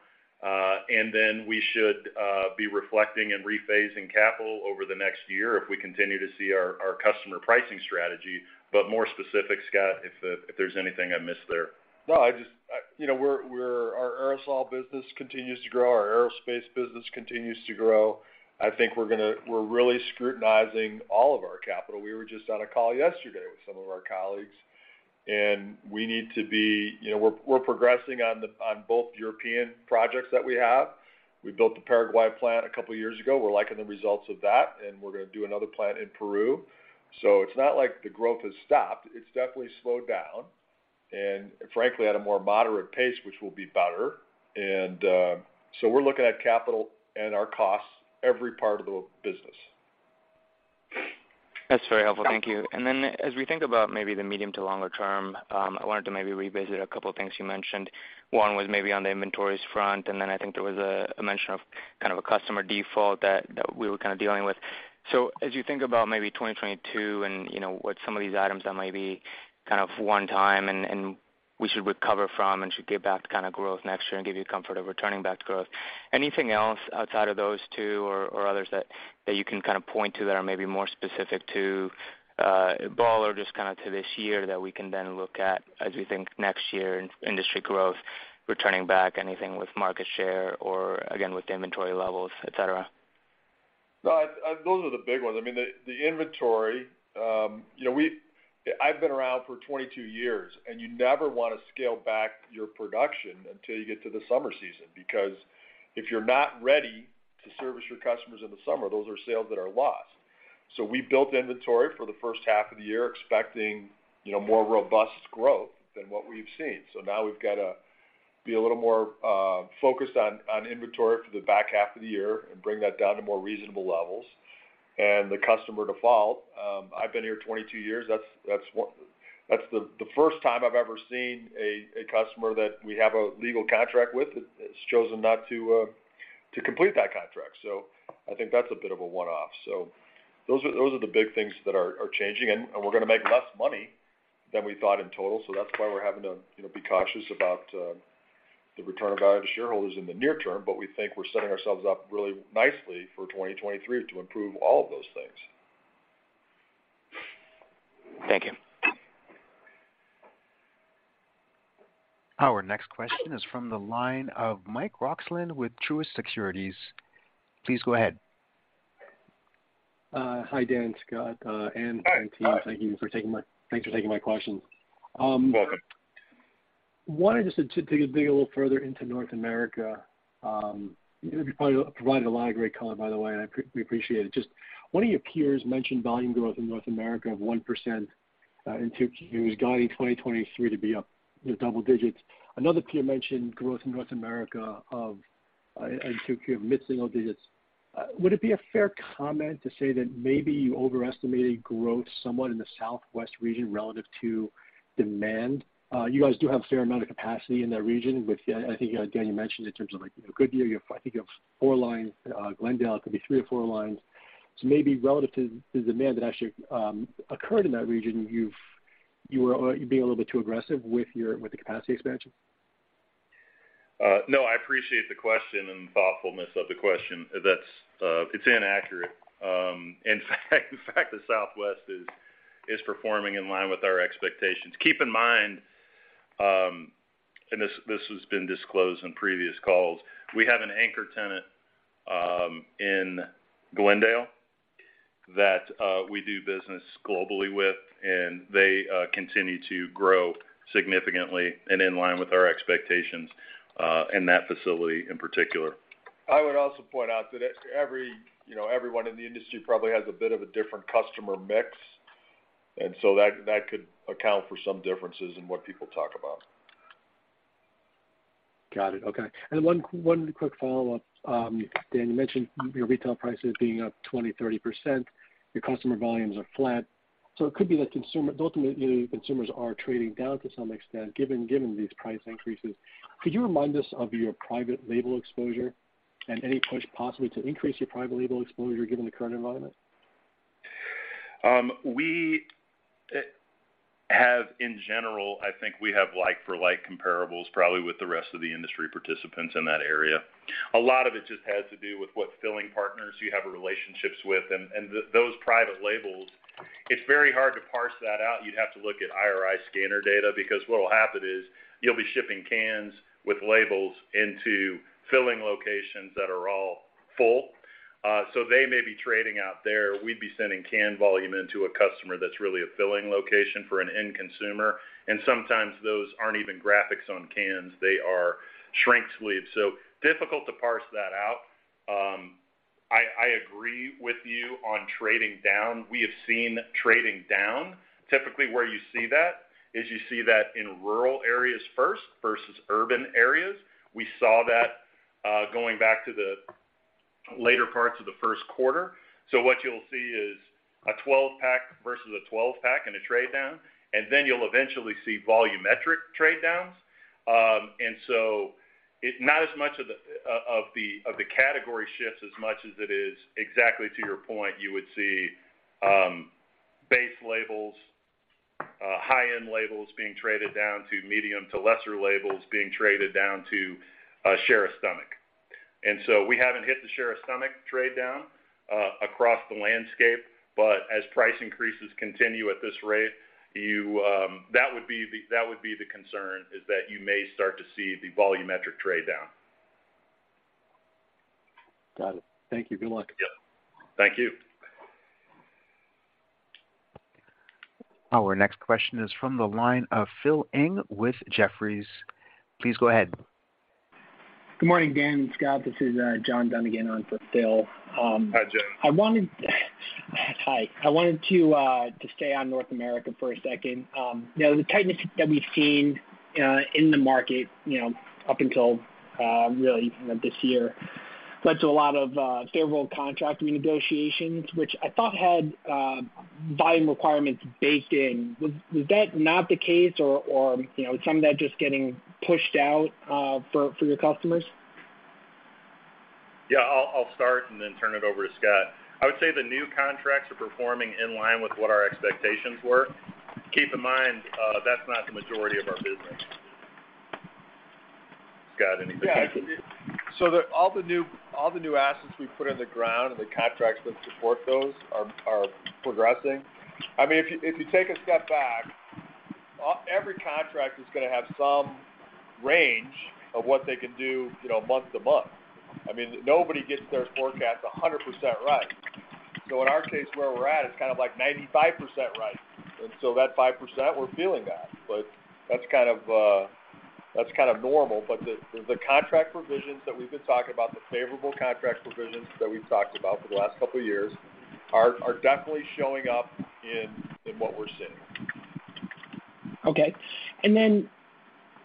We should be reflecting and rephasing capital over the next year if we continue to see our customer pricing strategy. More specific, Scott, if there's anything I missed there. No, I just, you know, our aerosol business continues to grow. Our aerospace business continues to grow. I think we're really scrutinizing all of our capital. We were just on a call yesterday with some of our colleagues. You know, we're progressing on both European projects that we have. We built the Paraguay plant a couple years ago. We're liking the results of that, and we're gonna do another plant in Peru. It's not like the growth has stopped. It's definitely slowed down and, frankly, at a more moderate pace, which will be better. We're looking at capital and our costs, every part of the business. That's very helpful. Thank you. As we think about maybe the medium to longer term, I wanted to maybe revisit a couple of things you mentioned. One was maybe on the inventories front, and then I think there was a mention of kind of a customer default that we were kind of dealing with. As you think about maybe 2022 and, you know, what some of these items that might be kind of one time and we should recover from and should get back to kind of growth next year and give you comfort of returning back to growth, anything else outside of those two or others that you can kind of point to that are maybe more specific to Ball or just kind of to this year that we can then look at as we think next year industry growth, returning back anything with market share or again with the inventory levels, et cetera? No, those are the big ones. I mean, the inventory, you know, I've been around for 22 years, and you never wanna scale back your production until you get to the summer season because if you're not ready to service your customers in the summer, those are sales that are lost. So we built inventory for the first half of the year expecting, you know, more robust growth than what we've seen. So now we've got to be a little more focused on inventory for the back half of the year and bring that down to more reasonable levels. The customer default, I've been here 22 years, that's the first time I've ever seen a customer that we have a legal contract with has chosen not to complete that contract. I think that's a bit of a one-off. Those are the big things that are changing. We're gonna make less money than we thought in total. That's why we're having to, you know, be cautious about the return of value to shareholders in the near term. We think we're setting ourselves up really nicely for 2023 to improve all of those things. Thank you. Our next question is from the line of Michael Roxland with Truist Securities. Please go ahead. Hi, Dan, Scott, and the team. Hi. Thanks for taking my questions. Welcome. wanted just to dig a little further into North America. You provided a lot of great color, by the way, and we appreciate it. Just one of your peers mentioned volume growth in North America of 1% in 2022. He was guiding 2023 to be up, you know, double digits. Another peer mentioned growth in North America of mid-single digits in 2022. Would it be a fair comment to say that maybe you overestimated growth somewhat in the Southwest region relative to demand? You guys do have a fair amount of capacity in that region, which I think, Dan, you mentioned in terms of, like, you know, Goodyear. You have, I think, four lines. Glendale, it could be three or four lines. Maybe relative to demand that actually occurred in that region, you're being a little bit too aggressive with the capacity expansion? No, I appreciate the question and thoughtfulness of the question. That's, it's inaccurate. In fact, the fact that Southwest is Is performing in line with our expectations. Keep in mind, this has been disclosed in previous calls. We have an anchor tenant in Glendale that we do business globally with, and they continue to grow significantly and in line with our expectations in that facility in particular. I would also point out that every, you know, everyone in the industry probably has a bit of a different customer mix, and so that could account for some differences in what people talk about. Got it. Okay. One quick follow-up. Dan, you mentioned your retail prices being up 20%-30%. Your customer volumes are flat, so it could be that ultimately, consumers are trading down to some extent, given these price increases. Could you remind us of your private label exposure and any push possibly to increase your private label exposure given the current environment? We have in general, I think we have like for like comparables probably with the rest of the industry participants in that area. A lot of it just has to do with what filling partners you have relationships with. Those private labels, it's very hard to parse that out. You'd have to look at IRI scanner data because what'll happen is you'll be shipping cans with labels into filling locations that are all full. They may be trading out there. We'd be sending canned volume into a customer that's really a filling location for an end consumer. Sometimes those aren't even graphics on cans, they are shrink sleeves. Difficult to parse that out. I agree with you on trading down. We have seen trading down. Typically, where you see that is you see that in rural areas first versus urban areas. We saw that, going back to the later parts of the first quarter. What you'll see is a 12-pack versus a 12-pack and a trade down, and then you'll eventually see volumetric trade downs. Not as much of the category shifts as much as it is exactly to your point, you would see base labels, high-end labels being traded down to medium to lesser labels being traded down to share of stomach. We haven't hit the share of stomach trade down across the landscape. As price increases continue at this rate, you. That would be the concern is that you may start to see the volumetric trade down. Got it. Thank you. Good luck. Yeah. Thank you. Our next question is from the line of Phil Ng with Jefferies. Please go ahead. Good morning, Dan, Scott. This is John Dunigan again on for Phil. Hi, John. I wanted to stay on North America for a second. You know, the tightness that we've seen in the market, you know, up until really this year led to a lot of favorable contracting negotiations, which I thought had volume requirements baked in. Was that not the case or you know, some of that just getting pushed out for your customers? Yeah, I'll start and then turn it over to Scott. I would say the new contracts are performing in line with what our expectations were. Keep in mind, that's not the majority of our business. Scott, anything you can. Yeah. All the new assets we've put in the ground and the contracts that support those are progressing. I mean, if you take a step back, every contract is gonna have some range of what they can do, you know, month to month. I mean, nobody gets their forecasts 100% right. In our case, where we're at is kind of like 95% right. That 5%, we're feeling that, but that's kind of normal. The contract provisions that we've been talking about, the favorable contract provisions that we've talked about for the last couple of years are definitely showing up in what we're seeing. Okay.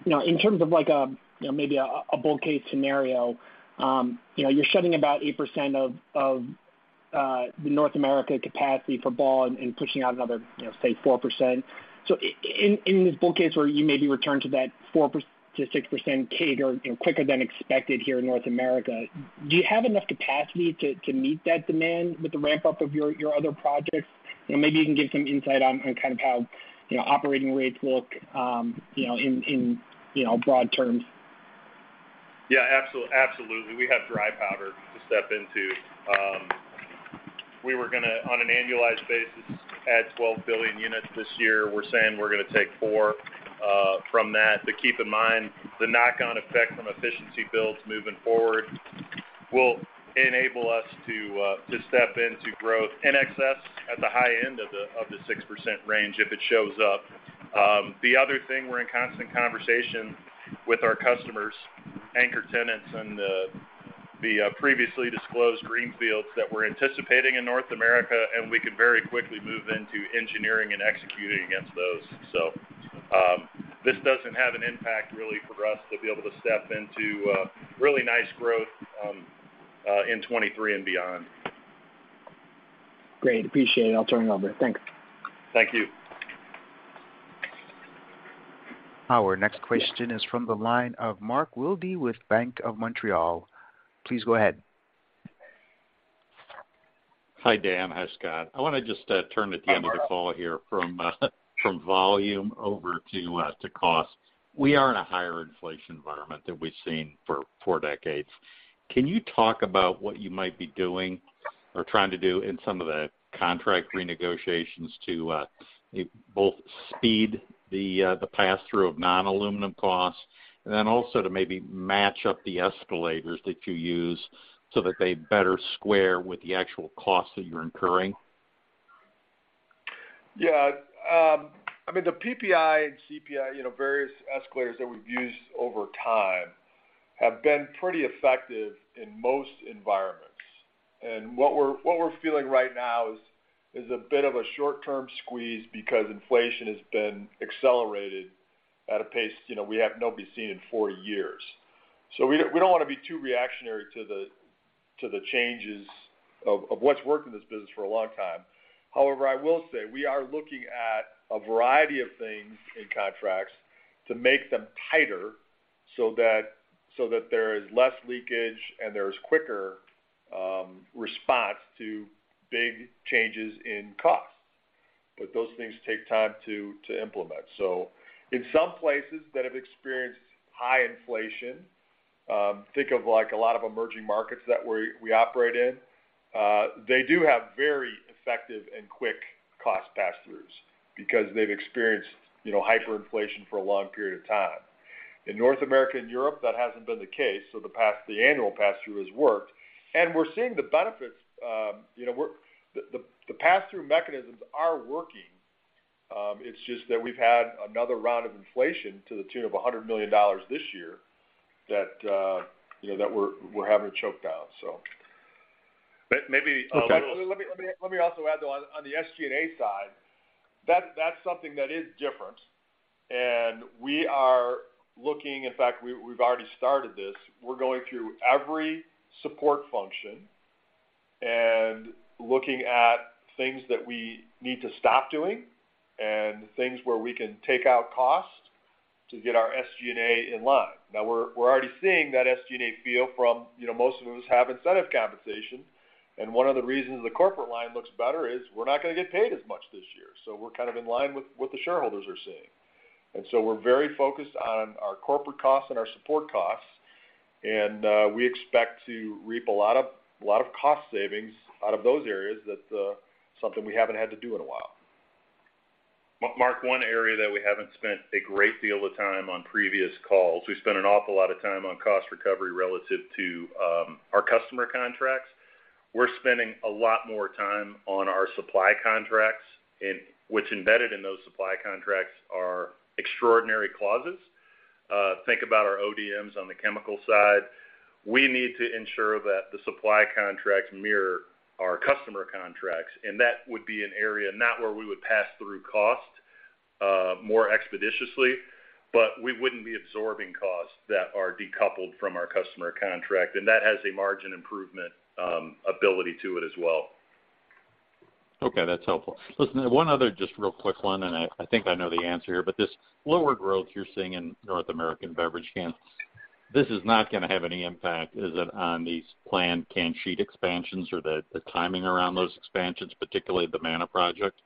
In terms of like, you know, maybe a bull case scenario, you know, you're shedding about 8% of the North America capacity for Ball and pushing out another, you know, say 4%. In this bull case where you maybe return to that 4%-6% CAGR, you know, quicker than expected here in North America, do you have enough capacity to meet that demand with the ramp-up of your other projects? You know, maybe you can give some insight on kind of how, you know, operating rates look, you know, in broad terms. Yeah, absolutely. We have dry powder to step into. We were gonna, on an annualized basis, add 12 billion units this year. We're saying we're gonna take 4 from that. Keep in mind, the knock-on effect from efficiency builds moving forward will enable us to step into growth in excess at the high end of the 6% range if it shows up. The other thing, we're in constant conversation with our customers, anchor tenants and the previously disclosed greenfields that we're anticipating in North America, and we can very quickly move into engineering and executing against those. This doesn't have an impact really for us to be able to step into really nice growth in 2023 and beyond. Great. Appreciate it. I'll turn it over. Thanks. Thank you. Our next question is from the line of Mark Wilde with Bank of Montreal. Please go ahead. Hi, Dan. Hi, Scott. I wanna just turn at the end of the call here from volume over to cost. We are in a higher inflation environment than we've seen for four decades. Can you talk about what you might be doing or trying to do in some of the contract renegotiations to both speed the pass-through of non-aluminum costs, and then also to maybe match up the escalators that you use so that they better square with the actual costs that you're incurring. Yeah. I mean, the PPI and CPI, you know, various escalators that we've used over time have been pretty effective in most environments. What we're feeling right now is a bit of a short-term squeeze because inflation has been accelerated at a pace, you know, we have not been seeing in four years. We don't wanna be too reactionary to the changes of what's worked in this business for a long time. However, I will say we are looking at a variety of things in contracts to make them tighter so that there is less leakage and there's quicker response to big changes in costs. Those things take time to implement. In some places that have experienced high inflation, think of like a lot of emerging markets that we operate in, they do have very effective and quick cost passthroughs because they've experienced, you know, hyperinflation for a long period of time. In North America and Europe, that hasn't been the case, so the annual passthrough has worked. We're seeing the benefits, you know, the passthrough mechanisms are working. It's just that we've had another round of inflation to the tune of $100 million this year that, you know, that we're having to choke down. Maybe a little. Let me also add, though, on the SG&A side, that's something that is different. In fact, we've already started this. We're going through every support function and looking at things that we need to stop doing and things where we can take out cost to get our SG&A in line. Now we're already seeing that SG&A fell from, you know, most of us have incentive compensation, and one of the reasons the corporate line looks better is we're not gonna get paid as much this year. We're kind of in line with what the shareholders are seeing. We're very focused on our corporate costs and our support costs, and we expect to reap a lot of cost savings out of those areas. That's something we haven't had to do in a while. Mark, one area that we haven't spent a great deal of time on previous calls, we've spent an awful lot of time on cost recovery relative to our customer contracts. We're spending a lot more time on our supply contracts and which embedded in those supply contracts are extraordinary clauses. Think about our OEMs on the chemical side. We need to ensure that the supply contracts mirror our customer contracts, and that would be an area not where we would pass through cost more expeditiously, but we wouldn't be absorbing costs that are decoupled from our customer contract. That has a margin improvement ability to it as well. Okay, that's helpful. Listen, one other just real quick one, and I think I know the answer here, but this lower growth you're seeing in North American beverage cans, this is not gonna have any impact, is it, on these planned can sheet expansions or the timing around those expansions, particularly the Ma'aden project?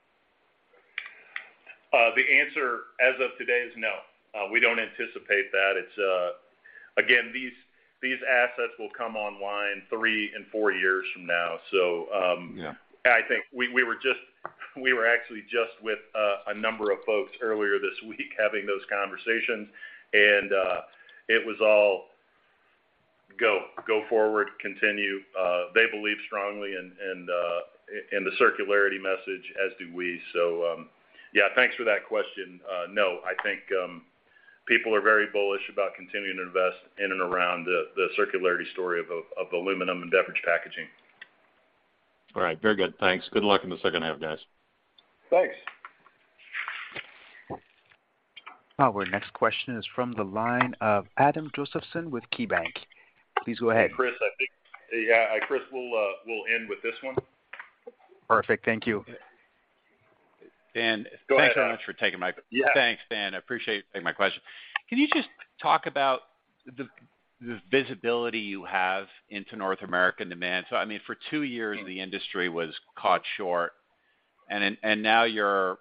The answer as of today is no. We don't anticipate that. Again, these assets will come online 3 and 4 years from now. Yeah. I think we were just with a number of folks earlier this week having those conversations, and it was all go forward, continue. They believe strongly in the circularity message, as do we. Yeah, thanks for that question. No, I think people are very bullish about continuing to invest in and around the circularity story of aluminum and beverage packaging. All right. Very good. Thanks. Good luck in the second half, guys. Thanks. Our next question is from the line of Adam Josephson with KeyBank. Please go ahead. Chris, I think. Yeah. Chris, we'll end with this one. Perfect. Thank you. Dan- Go ahead. Thanks very much for taking my. Yeah. Thanks, Dan. I appreciate you taking my question. Can you just talk about the visibility you have into North American demand? I mean, for two years the industry was caught short, and now you're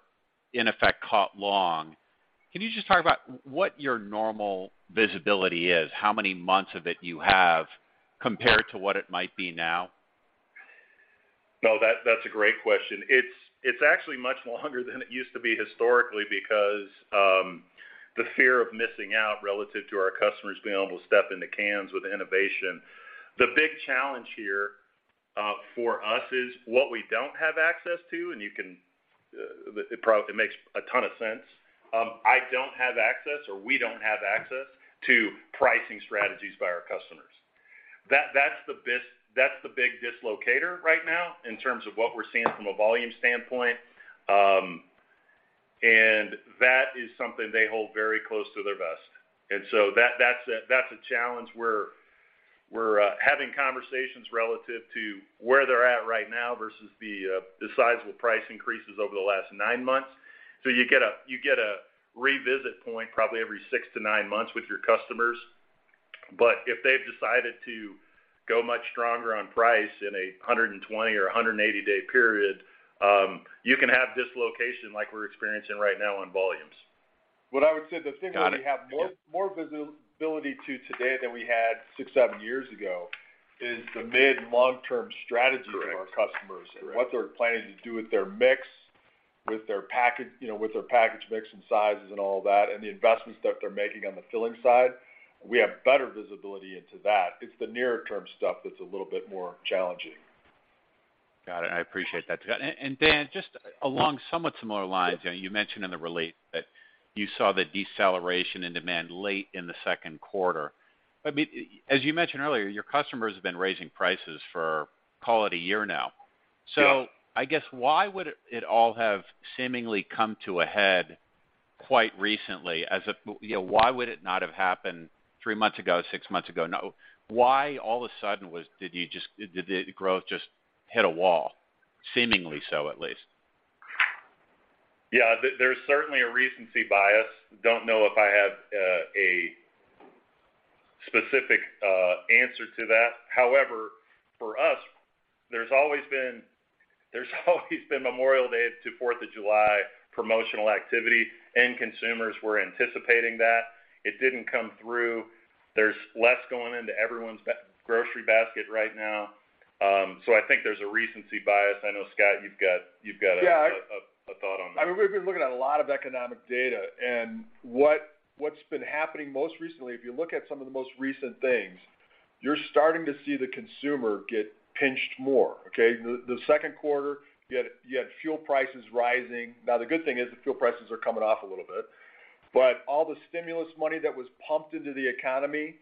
in effect caught long. Can you just talk about what your normal visibility is, how many months of it you have compared to what it might be now? No, that's a great question. It's actually much longer than it used to be historically because the fear of missing out relative to our customers being able to step into cans with innovation. The big challenge here for us is what we don't have access to. It makes a ton of sense. I don't have access, or we don't have access to pricing strategies by our customers. That's the big dislocator right now in terms of what we're seeing from a volume standpoint. That is something they hold very close to their vest. That's a challenge. We're having conversations relative to where they're at right now versus the sizable price increases over the last nine months. You get a revisit point probably every 6-9 months with your customers. If they've decided to go much stronger on price in a 120- or 180-day period, you can have dislocation like we're experiencing right now on volumes. What I would say, the thing that we have more visibility to today than we had 6-7 years ago is the mid- and long-term strategy of our customers and what they're planning to do with their mix, with their package, you know, with their package mix and sizes and all that, and the investments that they're making on the filling side. We have better visibility into that. It's the nearer term stuff that's a little bit more challenging. Got it. I appreciate that. Dan, just along somewhat similar lines, you know, you mentioned in the release that you saw the deceleration in demand late in the second quarter. I mean, as you mentioned earlier, your customers have been raising prices for call it a year now. Yes. I guess why would it all have seemingly come to a head quite recently as if. You know, why would it not have happened three months ago, six months ago? Now, why all of a sudden did the growth just hit a wall? Seemingly so, at least. Yeah. There's certainly a recency bias. Don't know if I have a specific answer to that. However, for us, there's always been Memorial Day to Fourth of July promotional activity, and consumers were anticipating that. It didn't come through. There's less going into everyone's grocery basket right now. I think there's a recency bias. I know, Scott, you've got a- Yeah thought on that. I mean, we've been looking at a lot of economic data and what's been happening most recently. If you look at some of the most recent things, you're starting to see the consumer get pinched more, okay? The second quarter, you had fuel prices rising. Now, the good thing is that fuel prices are coming off a little bit. All the stimulus money that was pumped into the economy,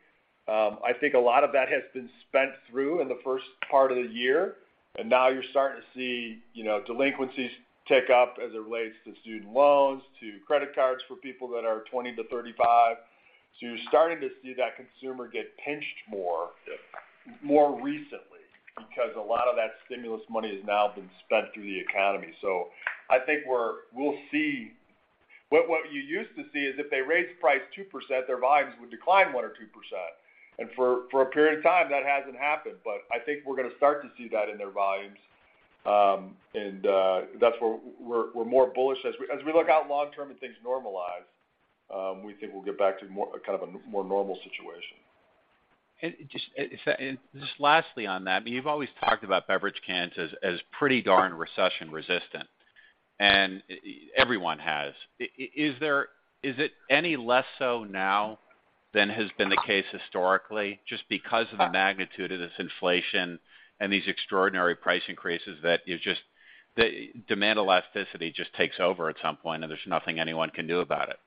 I think a lot of that has been spent through in the first part of the year. Now you're starting to see, you know, delinquencies tick up as it relates to student loans, to credit cards for people that are 20-35. You're starting to see that consumer get pinched more. Yeah More recently, because a lot of that stimulus money has now been spent through the economy. I think we'll see what you used to see is if they raised the price 2%, their volumes would decline 1% or 2%. For a period of time, that hasn't happened, but I think we're gonna start to see that in their volumes. That's where we're more bullish as we look out long term and things normalize. We think we'll get back to kind of a more normal situation. Just lastly on that, I mean, you've always talked about beverage cans as pretty darn recession-resistant, and everyone has. Is it any less so now than has been the case historically just because of the magnitude of this inflation and these extraordinary price increases, the demand elasticity just takes over at some point, and there's nothing anyone can do about it?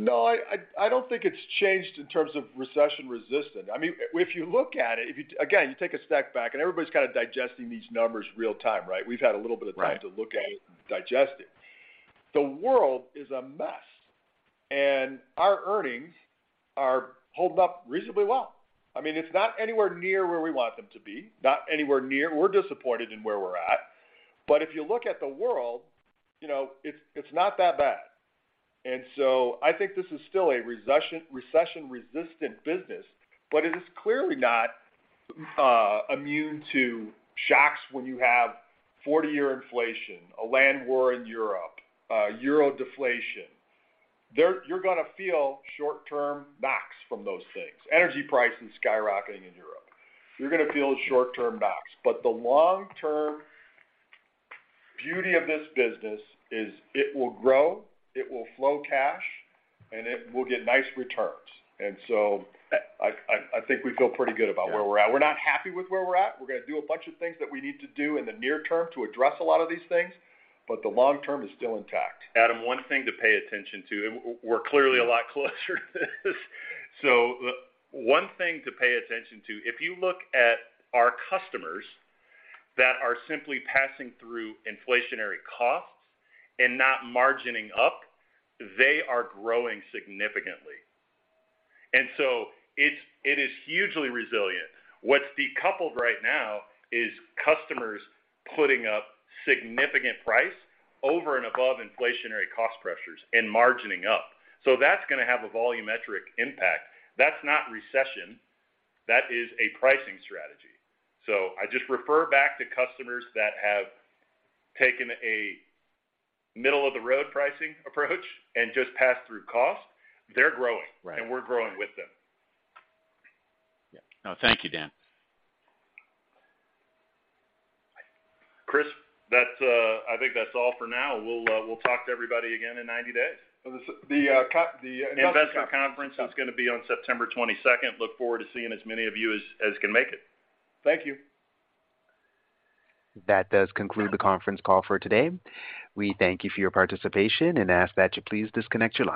No, I don't think it's changed in terms of recession-resistant. I mean, if you look at it. Again, you take a step back, and everybody's kind of digesting these numbers real time, right? We've had a little bit of time. Right... to look at it and digest it. The world is a mess, and our earnings are holding up reasonably well. I mean, it's not anywhere near where we want them to be, not anywhere near. We're disappointed in where we're at. If you look at the world, you know, it's not that bad. I think this is still a recession-resistant business, but it is clearly not immune to shocks when you have 40-year inflation, a land war in Europe, euro deflation. You're gonna feel short-term knocks from those things. Energy prices skyrocketing in Europe. You're gonna feel short-term knocks. The long-term beauty of this business is it will grow, it will flow cash, and it will get nice returns. I think we feel pretty good about where we're at. We're not happy with where we're at. We're gonna do a bunch of things that we need to do in the near term to address a lot of these things. The long term is still intact. Adam, one thing to pay attention to, if you look at our customers that are simply passing through inflationary costs and not margining up, they are growing significantly. It's, it is hugely resilient. What's decoupled right now is customers putting up significant price over and above inflationary cost pressures and margining up. That's gonna have a volumetric impact. That's not recession. That is a pricing strategy. I just refer back to customers that have taken a middle-of-the-road pricing approach and just passed through cost. They're growing. Right. We're growing with them. Yeah. No, thank you, Dan. Chris, that's, I think that's all for now. We'll talk to everybody again in ninety days. The s- the, uh, co- the- The investor conference is gonna be on September 22nd. Look forward to seeing as many of you as can make it. Thank you. That does conclude the conference call for today. We thank you for your participation and ask that you please disconnect your line.